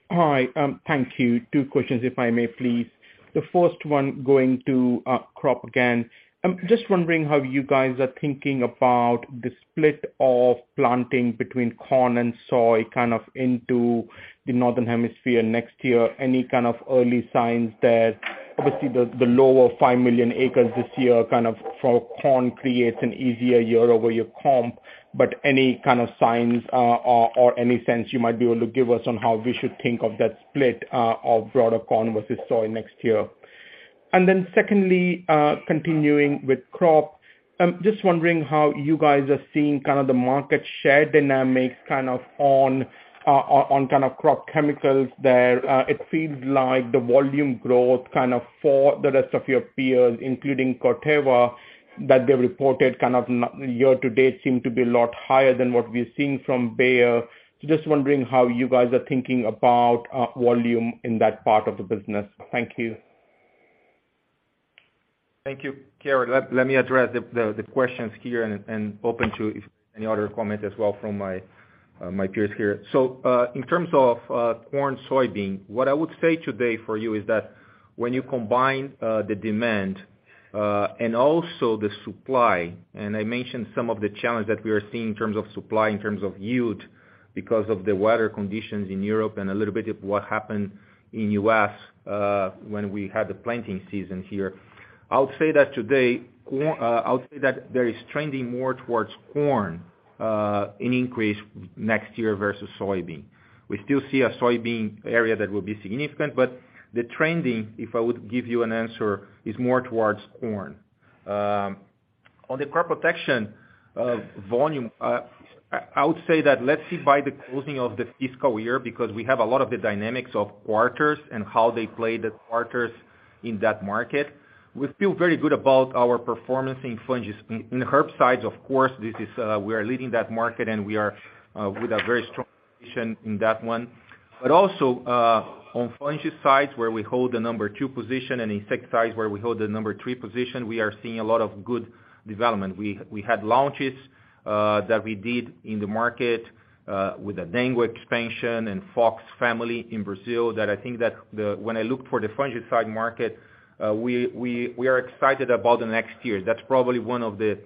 Hi. Thank you. Two questions if I may, please. The first one going to crop again. I'm just wondering how you guys are thinking about the split of planting between corn and soy kind of into the Northern Hemisphere next year. Any kind of early signs that obviously the lower 5 million acres this year kind of for corn creates an easier year-over-year comp, but any kind of signs or any sense you might be able to give us on how we should think of that split of broader corn versus soy next year. Then secondly, continuing with crop, just wondering how you guys are seeing kind of the market share dynamics kind of on kind of crop chemicals there. It seems like the volume growth kind of for the rest of your peers, including Corteva, that they reported kind of year-to-date seem to be a lot higher than what we're seeing from Bayer. Just wondering how you guys are thinking about volume in that part of the business. Thank you. Thank you, Keyur. Let me address the questions here and open to if any other comments as well from my peers here. In terms of corn, soybean, what I would say today for you is that when you combine the demand and also the supply, and I mentioned some of the challenge that we are seeing in terms of supply, in terms of yield, because of the weather conditions in Europe and a little bit of what happened in U.S., when we had the planting season here. I would say that there is trending more towards corn in increase next year versus soybean. We still see a soybean area that will be significant, but the trending, if I would give you an answer, is more towards corn. On the crop protection, volume, I would say that let's see by the closing of the fiscal year, because we have a lot of the dynamics of quarters and how they play the quarters in that market. We feel very good about our performance in herbicides, of course, this is, we are leading that market, and we are, with a very strong position in that one. But also, on fungicide side, where we hold the number two position and insecticide where we hold the number three position, we are seeing a lot of good development. We had launches that we did in the market, with the Adengo expansion and Fox family in Brazil that I think that the. When I look for the fungicide market, we are excited about the next year. That's probably one of the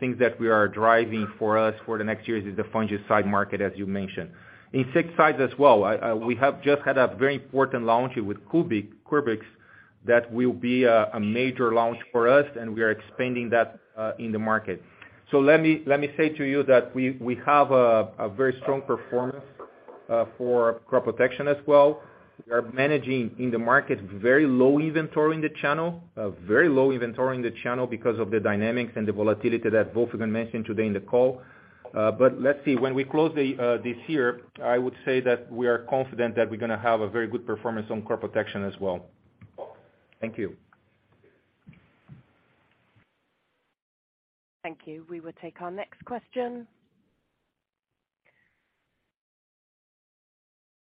things that we are driving for us for the next year is the fungicide market, as you mentioned. Insecticides as well. We have just had a very important launch with Curbix that will be a major launch for us and we are expanding that in the market. Let me say to you that we have a very strong performance. For crop protection as well. We are managing in the market very low inventory in the channel because of the dynamics and the volatility that Wolfgang mentioned today in the call. Let's see. When we close this year, I would say that we are confident that we're gonna have a very good performance on crop protection as well. Thank you. Thank you. We will take our next question.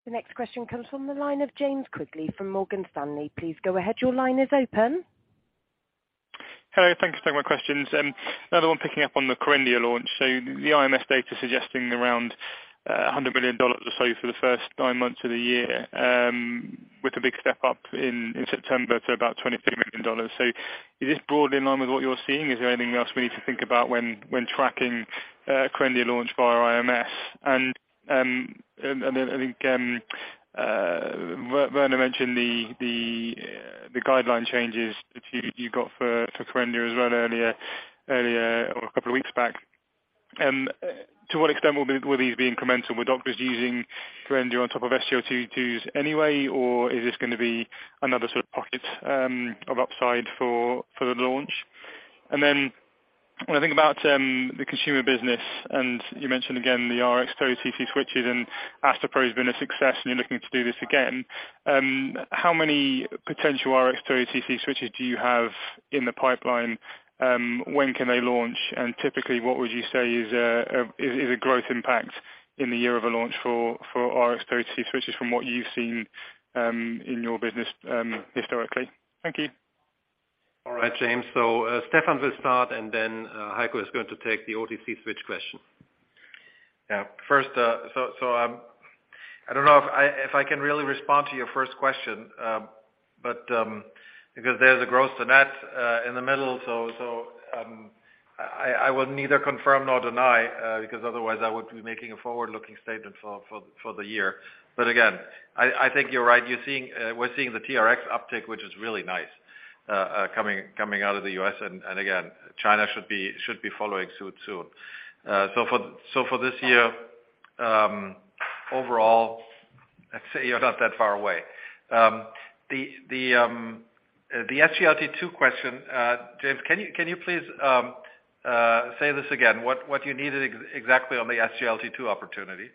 The next question comes from the line of James Quigley from Morgan Stanley. Please go ahead. Your line is open. Hello. Thank you for taking my questions. Another one picking up on the Kerendia launch. The IMS data suggesting around $100 million or so for the first nine months of the year, with a big step up in September to about $23 million. Is this broadly in line with what you're seeing? Is there anything else we need to think about when tracking Kerendia launch via IMS? I think Werner mentioned the guideline changes that you got for Kerendia as well earlier or a couple of weeks back. To what extent will these be incremental? Were doctors using Kerendia on top of SGLT-2s anyway, or is this gonna be another sort of pocket of upside for the launch? Then when I think about the Consumer business, and you mentioned again the Rx-to-OTC switches and Astepro has been a success and you're looking to do this again, how many potential Rx-to-OTC switches do you have in the pipeline? When can they launch? And typically, what would you say is a growth impact in the year of a launch for Rx-to-OTC switches from what you've seen in your business historically? Thank you. All right, James. Stefan will start and then, Heiko is going to take the OTC switch question. Yeah. First, I don't know if I can really respond to your first question. Because there's a gross-to-net in the middle, I will neither confirm nor deny because otherwise I would be making a forward-looking statement for the year. Again, I think you're right. You're seeing, we're seeing the TRx uptick, which is really nice, coming out of the U.S. Again, China should be following suit soon. For this year, overall, let's say you're not that far away. The SGLT-2 question, James, can you please say this again, what you needed exactly on the SGLT-2 opportunity?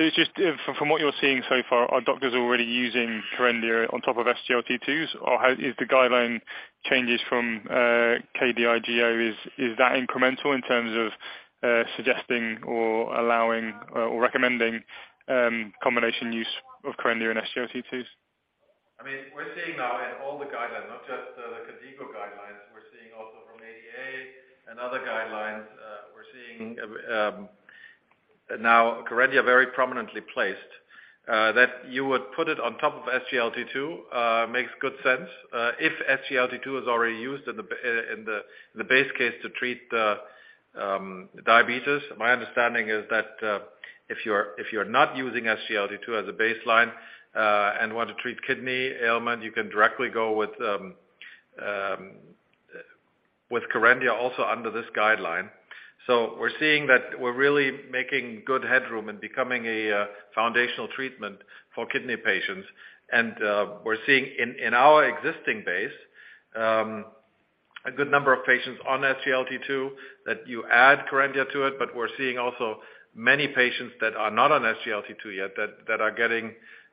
It's just from what you're seeing so far, are doctors already using Kerendia on top of SGLT-2s? Or how is the guideline changes from KDIGO, is that incremental in terms of suggesting or allowing or recommending combination use of Kerendia and SGLT-2s? I mean, we're seeing now in all the guidelines, not just the KDIGO guidelines, we're seeing also from ADA and other guidelines, we're seeing now Kerendia very prominently placed, that you would put it on top of SGLT-2, makes good sense. If SGLT-2 is already used in the base case to treat diabetes. My understanding is that if you're not using SGLT-2 as a baseline and want to treat kidney ailment, you can directly go with Kerendia also under this guideline. We're seeing that we're really making good headroom and becoming a foundational treatment for kidney patients. We're seeing in our existing base a good number of patients on SGLT-2 that you add Kerendia to it. We're seeing also many patients that are not on SGLT-2 yet that are getting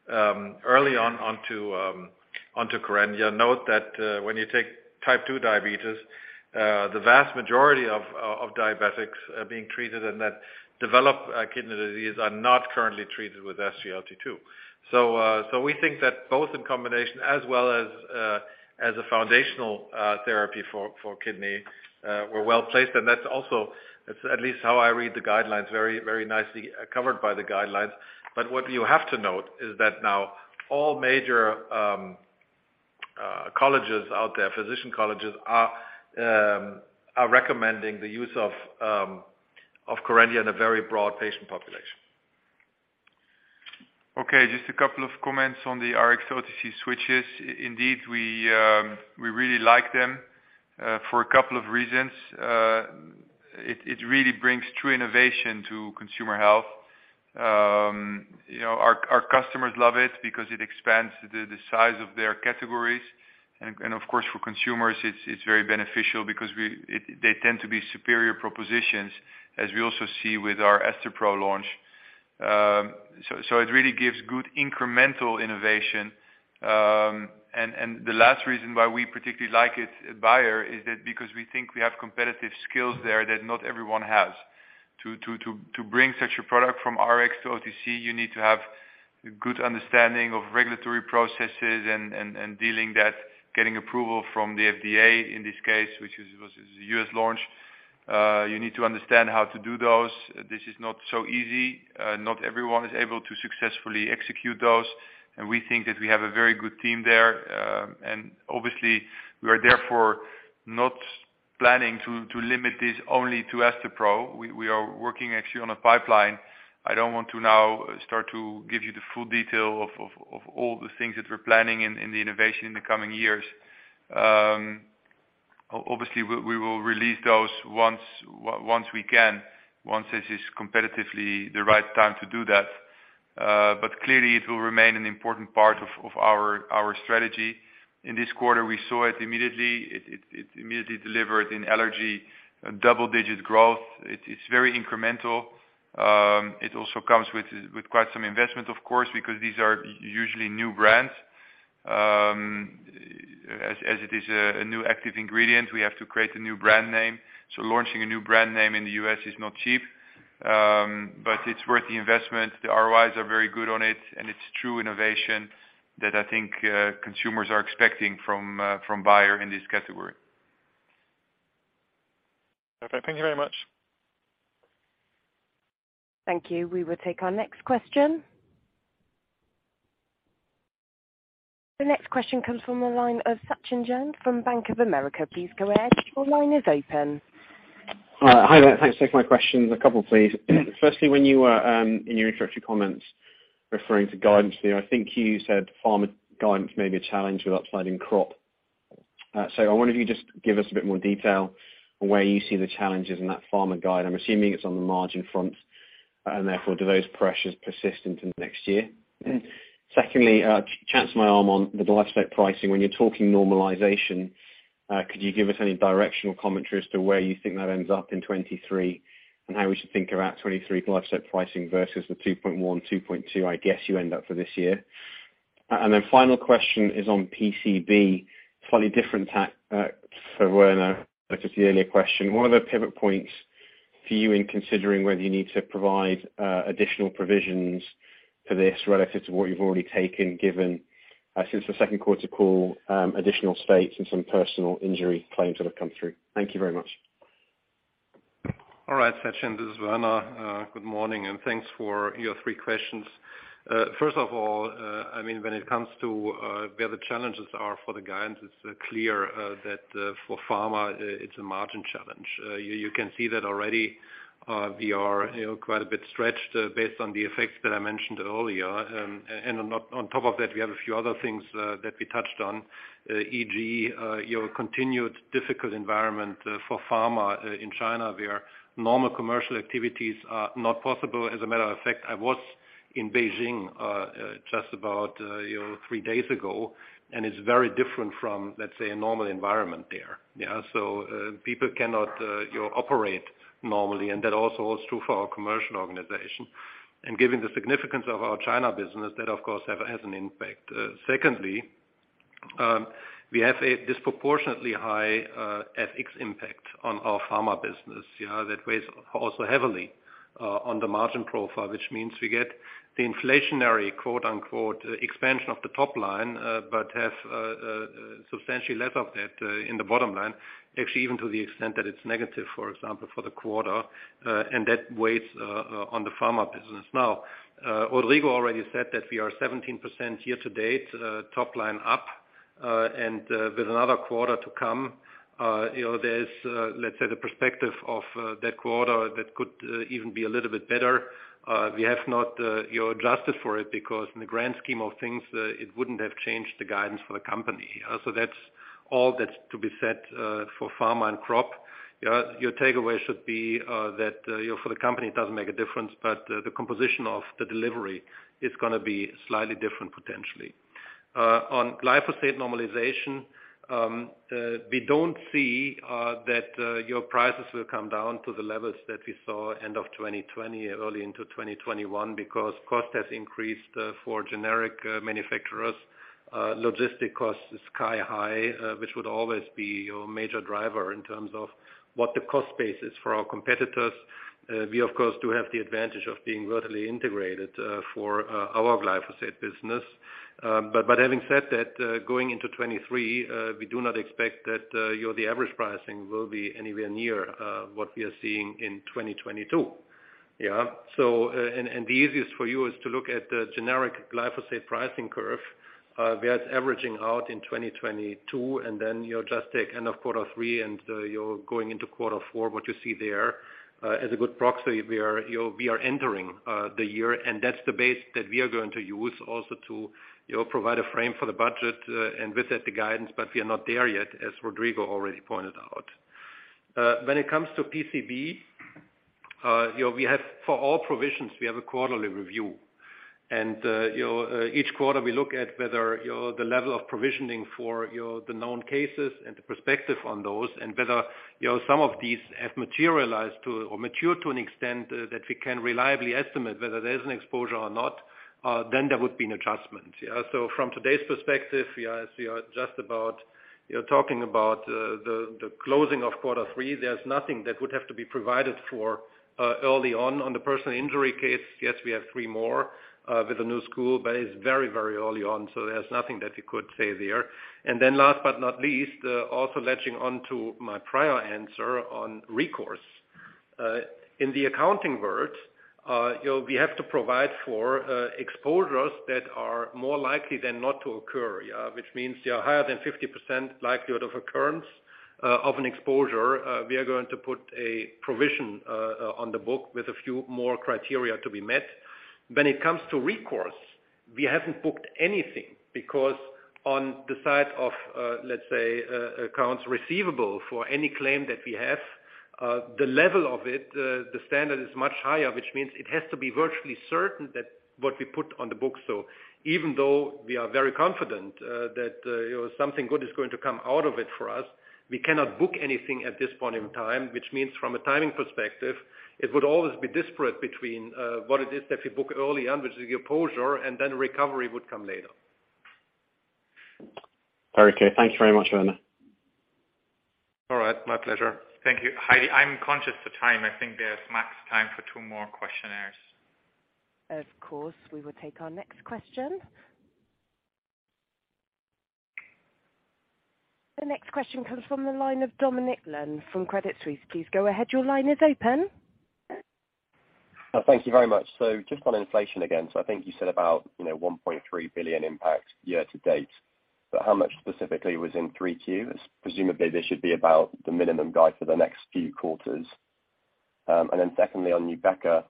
early on onto Kerendia. Note that when you take type 2 diabetes, the vast majority of diabetics being treated and that develop kidney disease are not currently treated with SGLT-2. We think that both in combination as well as a foundational therapy for kidney, we're well-placed. That's also at least how I read the guidelines, very, very nicely covered by the guidelines. What you have to note is that now all major colleges out there, physician colleges are recommending the use of Kerendia in a very broad patient population. Okay, just a couple of comments on the Rx-to-OTC switches. Indeed, we really like them for a couple of reasons. It really brings true innovation to Consumer Health. You know, our customers love it because it expands the size of their categories. Of course for consumers, it's very beneficial because they tend to be superior propositions, as we also see with our Astepro launch. So it really gives good incremental innovation. The last reason why we particularly like it at Bayer is that because we think we have competitive skills there that not everyone has. To bring such a product from Rx-to-OTC, you need to have good understanding of regulatory processes and dealing with that, getting approval from the FDA in this case, which is a U.S. launch. You need to understand how to do those. This is not so easy. Not everyone is able to successfully execute those. We think that we have a very good team there. Obviously we are therefore not planning to limit this only to Astepro. We are working actually on a pipeline. I don't want to now start to give you the full detail of all the things that we're planning in the innovation in the coming years. Obviously, we will release those once we can, once this is competitively the right time to do that. Clearly it will remain an important part of our strategy. In this quarter, we saw it immediately. It immediately delivered in allergy double-digit growth. It's very incremental. It also comes with quite some investment of course, because these are usually new brands. As it is a new active ingredient, we have to create a new brand name. Launching a new brand name in the U.S. is not cheap, but it's worth the investment. The ROIs are very good on it, and it's true innovation that I think consumers are expecting from Bayer in this category. Okay. Thank you very much. Thank you. We will take our next question. The next question comes from the line of Sachin Jain from Bank of America. Please go ahead. Your line is open. Hi there. Thanks for taking my questions. A couple, please. Firstly, when you were in your introductory comments referring to guidance there, I think you said pharma guidance may be a challenge with upside in crop. So I wonder if you could just give us a bit more detail on where you see the challenges in that pharma guidance. I'm assuming it's on the margin front, and therefore do those pressures persist into next year? Mm-hmm. Secondly, chance my arm on the glyphosate pricing. When you're talking normalization, could you give us any directional commentary as to where you think that ends up in 2023, and how we should think about 2023 glyphosate pricing versus the 2.1 billion-2.2 billion, I guess you end up for this year? Final question is on PCB, slightly different tack, for Werner, like with the earlier question. What are the pivot points for you in considering whether you need to provide additional provisions for this relative to what you've already taken, given, since the second quarter call, additional states and some personal injury claims that have come through? Thank you very much. All right, Sachin, this is Werner. Good morning and thanks for your three questions. First of all, I mean, when it comes to where the challenges are for the guidance, it's clear that for pharma, it's a margin challenge. You can see that already. We are, you know, quite a bit stretched based on the effects that I mentioned earlier. On top of that, we have a few other things that we touched on, e.g., the continued difficult environment for pharma in China, where normal commercial activities are not possible. As a matter of fact, I was in Beijing just about, you know, three days ago, and it's very different from, let's say, a normal environment there. People cannot, you know, operate normally, and that also holds true for our commercial organization. Given the significance of our China business, that of course has an impact. Secondly, we have a disproportionately high FX impact on our Pharma business. You know, that weighs also heavily on the margin profile, which means we get the inflationary, quote-unquote, expansion of the top line, but have substantially less of that in the bottom line, actually even to the extent that it's negative, for example, for the quarter. That weighs on the Pharma business. Now, Rodrigo already said that we are 17% year-to-date, top line up, and with another quarter to come, you know, there's, let's say the perspective of that quarter that could even be a little bit better. We have not, you know, adjusted for it because in the grand scheme of things, it wouldn't have changed the guidance for the company. So that's all that's to be said for pharma and crop. Your takeaway should be that, you know, for the company it doesn't make a difference, but the composition of the delivery is gonna be slightly different potentially. On glyphosate normalization, we don't see that your prices will come down to the levels that we saw end of 2020, early into 2021, because cost has increased for generic manufacturers. Logistic cost is sky high, which would always be your major driver in terms of what the cost base is for our competitors. We of course do have the advantage of being vertically integrated for our Glyphosate business. But having said that, going into 2023, we do not expect that you know the average pricing will be anywhere near what we are seeing in 2022. Yeah. The easiest for you is to look at the generic glyphosate pricing curve, where it's averaging out in 2022, and then you just take end of quarter three and you're going into quarter four, what you see there as a good proxy. We are, you know, we are entering the year and that's the base that we are going to use also to, you know, provide a frame for the budget and revisit the guidance. We are not there yet, as Rodrigo already pointed out. When it comes to PCB, you know, we have, for all provisions, we have a quarterly review. Each quarter we look at whether the level of provisioning for the known cases and the perspective on those, and whether some of these have materialized to or matured to an extent that we can reliably estimate whether there's an exposure or not, then there would be an adjustment. Yeah. From today's perspective, we are just about talking about the closing of quarter three, there's nothing that would have to be provided for early on. On the personal injury case, yes, we have three more with a new suit, but it's very, very early on, so there's nothing that we could say there. Then last but not least, also latching onto my prior answer on recourse. In the accounting world, you know, we have to provide for exposures that are more likely than not to occur. Yeah. Which means they are higher than 50% likelihood of occurrence of an exposure. We are going to put a provision on the book with a few more criteria to be met. When it comes to recourse. We haven't booked anything because on the side of, let's say, accounts receivable for any claim that we have, the level of it, the standard is much higher, which means it has to be virtually certain that what we put on the books. Even though we are very confident that something good is going to come out of it for us, we cannot book anything at this point in time, which means from a timing perspective, it would always be disparate between what it is that we book early on, which is the exposure, and then recovery would come later. Very okay. Thank you very much, Werner. All right. My pleasure. Thank you. Heidi, I'm conscious of time. I think there's max time for two more questions. Of course, we will take our next question. The next question comes from the line of Dominic Lunn from Credit Suisse. Please go ahead. Your line is open. Thank you very much. Just on inflation again. I think you said about 1.3 billion impact year to date, but how much specifically was in Q3? Presumably, this should be about the minimum guide for the next few quarters. Then secondly, on Nubeqa,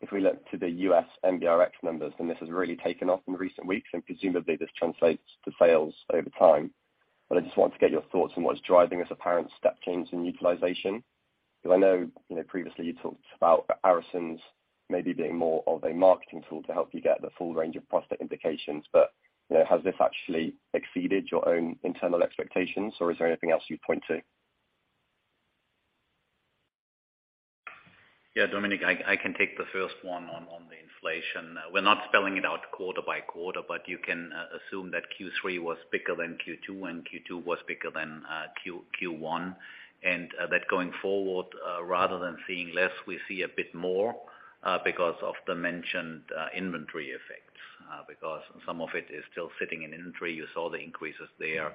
if we look to the U.S. NBRx numbers, and this has really taken off in recent weeks, and presumably this translates to sales over time. I just wanted to get your thoughts on what's driving this apparent step change in utilization. Because I know, you know, previously you talked about ARASENS maybe being more of a marketing tool to help you get the full range of prostate indications, but, you know, has this actually exceeded your own internal expectations, or is there anything else you'd point to? Yeah, Dominic, I can take the first one on the inflation. We're not spelling it out quarter by quarter, but you can assume that Q3 was bigger than Q2, and Q2 was bigger than Q1. That going forward, rather than seeing less, we see a bit more because of the mentioned inventory effects, because some of it is still sitting in inventory. You saw the increases there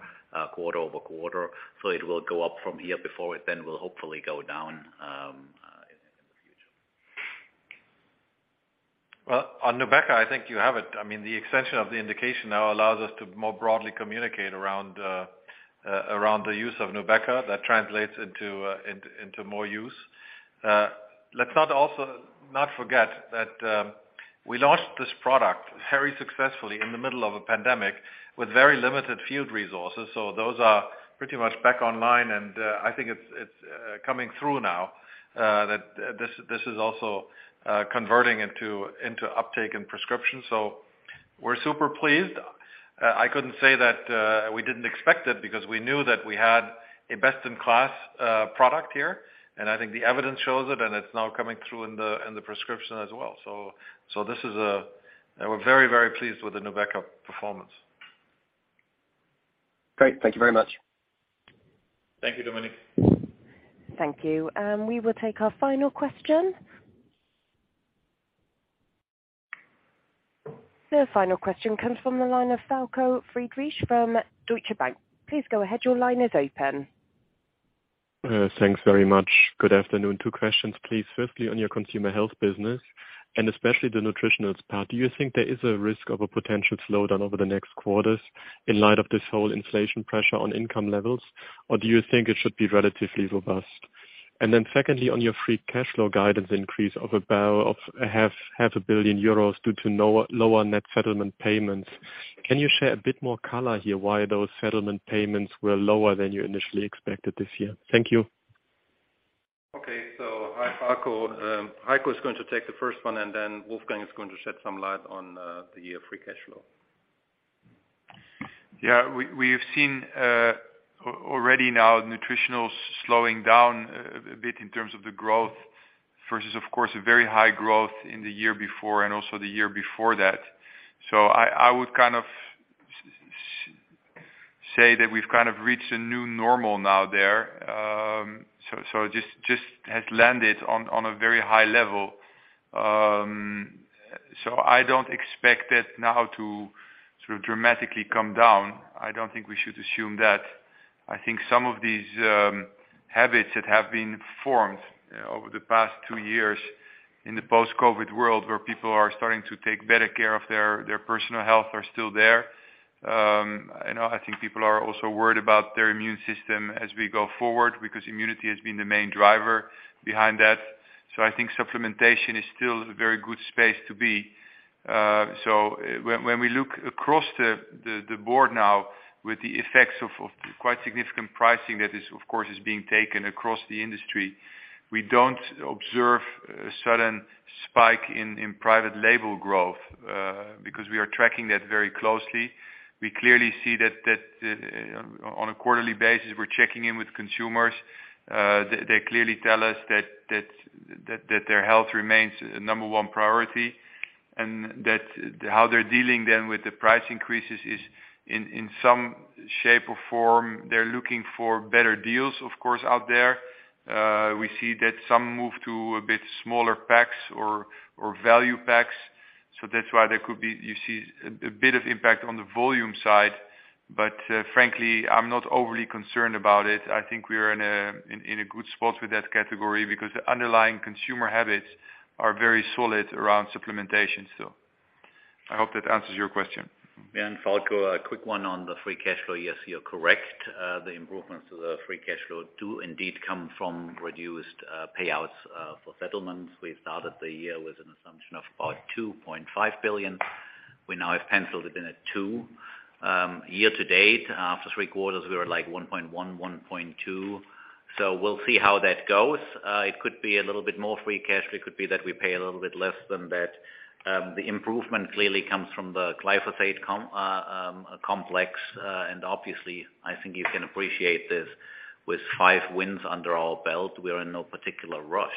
quarter-over-quarter. It will go up from here before it then will hopefully go down in the future. Well, on Nubeqa, I think you have it. I mean, the extension of the indication now allows us to more broadly communicate around the use of Nubeqa. That translates into more use. Let's not forget that we launched this product very successfully in the middle of a pandemic with very limited field resources. So those are pretty much back online. I think it's coming through now that this is also converting into uptake in prescription. So we're super pleased. I couldn't say that we didn't expect it because we knew that we had a best-in-class product here, and I think the evidence shows it, and it's now coming through in the prescription as well. So this is. We're very, very pleased with the Nubeqa performance. Great. Thank you very much. Thank you, Dominic. Thank you. We will take our final question. The final question comes from the line of Falko Friedrichs from Deutsche Bank. Please go ahead. Your line is open. Thanks very much. Good afternoon. Two questions, please. Firstly, on your Consumer Health business and especially the Nutritionals part, do you think there is a risk of a potential slowdown over the next quarters in light of this whole inflation pressure on income levels, or do you think it should be relatively robust? Secondly, on your free cash flow guidance increase of about 500 million euros due to lower net settlement payments, can you share a bit more color here why those settlement payments were lower than you initially expected this year? Thank you. Hi, Falko. Heiko is going to take the first one, and then Wolfgang is going to shed some light on the free cash flow. Yeah. We've seen already now Nutritionals slowing down a bit in terms of the growth versus, of course, a very high growth in the year before and also the year before that. I would kind of say that we've kind of reached a new normal now there. It just has landed on a very high level. I don't expect it now to sort of dramatically come down. I don't think we should assume that. I think some of these habits that have been formed over the past two years in the post-COVID world where people are starting to take better care of their personal health are still there. I think people are also worried about their immune system as we go forward because immunity has been the main driver behind that. I think supplementation is still a very good space to be. When we look across the board now with the effects of quite significant pricing that is, of course, being taken across the industry, we don't observe a sudden spike in private label growth because we are tracking that very closely. We clearly see that on a quarterly basis, we're checking in with consumers. They clearly tell us that their health remains number one priority, and that how they're dealing then with the price increases is in some shape or form, they're looking for better deals, of course, out there. We see that some move to a bit smaller packs or value packs. That's why there could be, you see a bit of impact on the volume side. Frankly, I'm not overly concerned about it. I think we are in a good spot with that category because the underlying consumer habits are very solid around supplementation still. I hope that answers your question. Yeah. Falko, a quick one on the free cash flow. Yes, you're correct. The improvements to the free cash flow do indeed come from reduced payouts for settlements. We started the year with an assumption of about 2.5 billion. We now have penciled it in at 2 billion. Year to date, for three quarters, we were like 1.1 billion-1.2 billion. We'll see how that goes. It could be a little bit more free cash. It could be that we pay a little bit less than that. The improvement clearly comes from the glyphosate complex. Obviously, I think you can appreciate this, with five wins under our belt, we are in no particular rush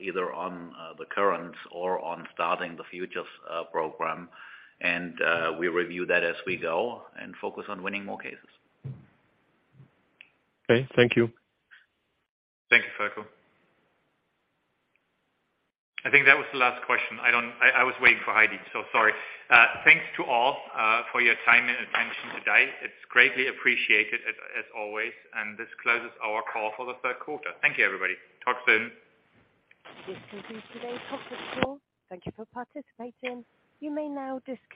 either on the current or on starting the futures program. We review that as we go and focus on winning more cases. Okay. Thank you. Thank you, Falko. I think that was the last question. I was waiting for Heidi. So sorry. Thanks to all for your time and attention today. It's greatly appreciated, as always. This closes our call for the third quarter. Thank you, everybody. Talk soon. This concludes today's conference call. Thank you for participating. You may now disconnect.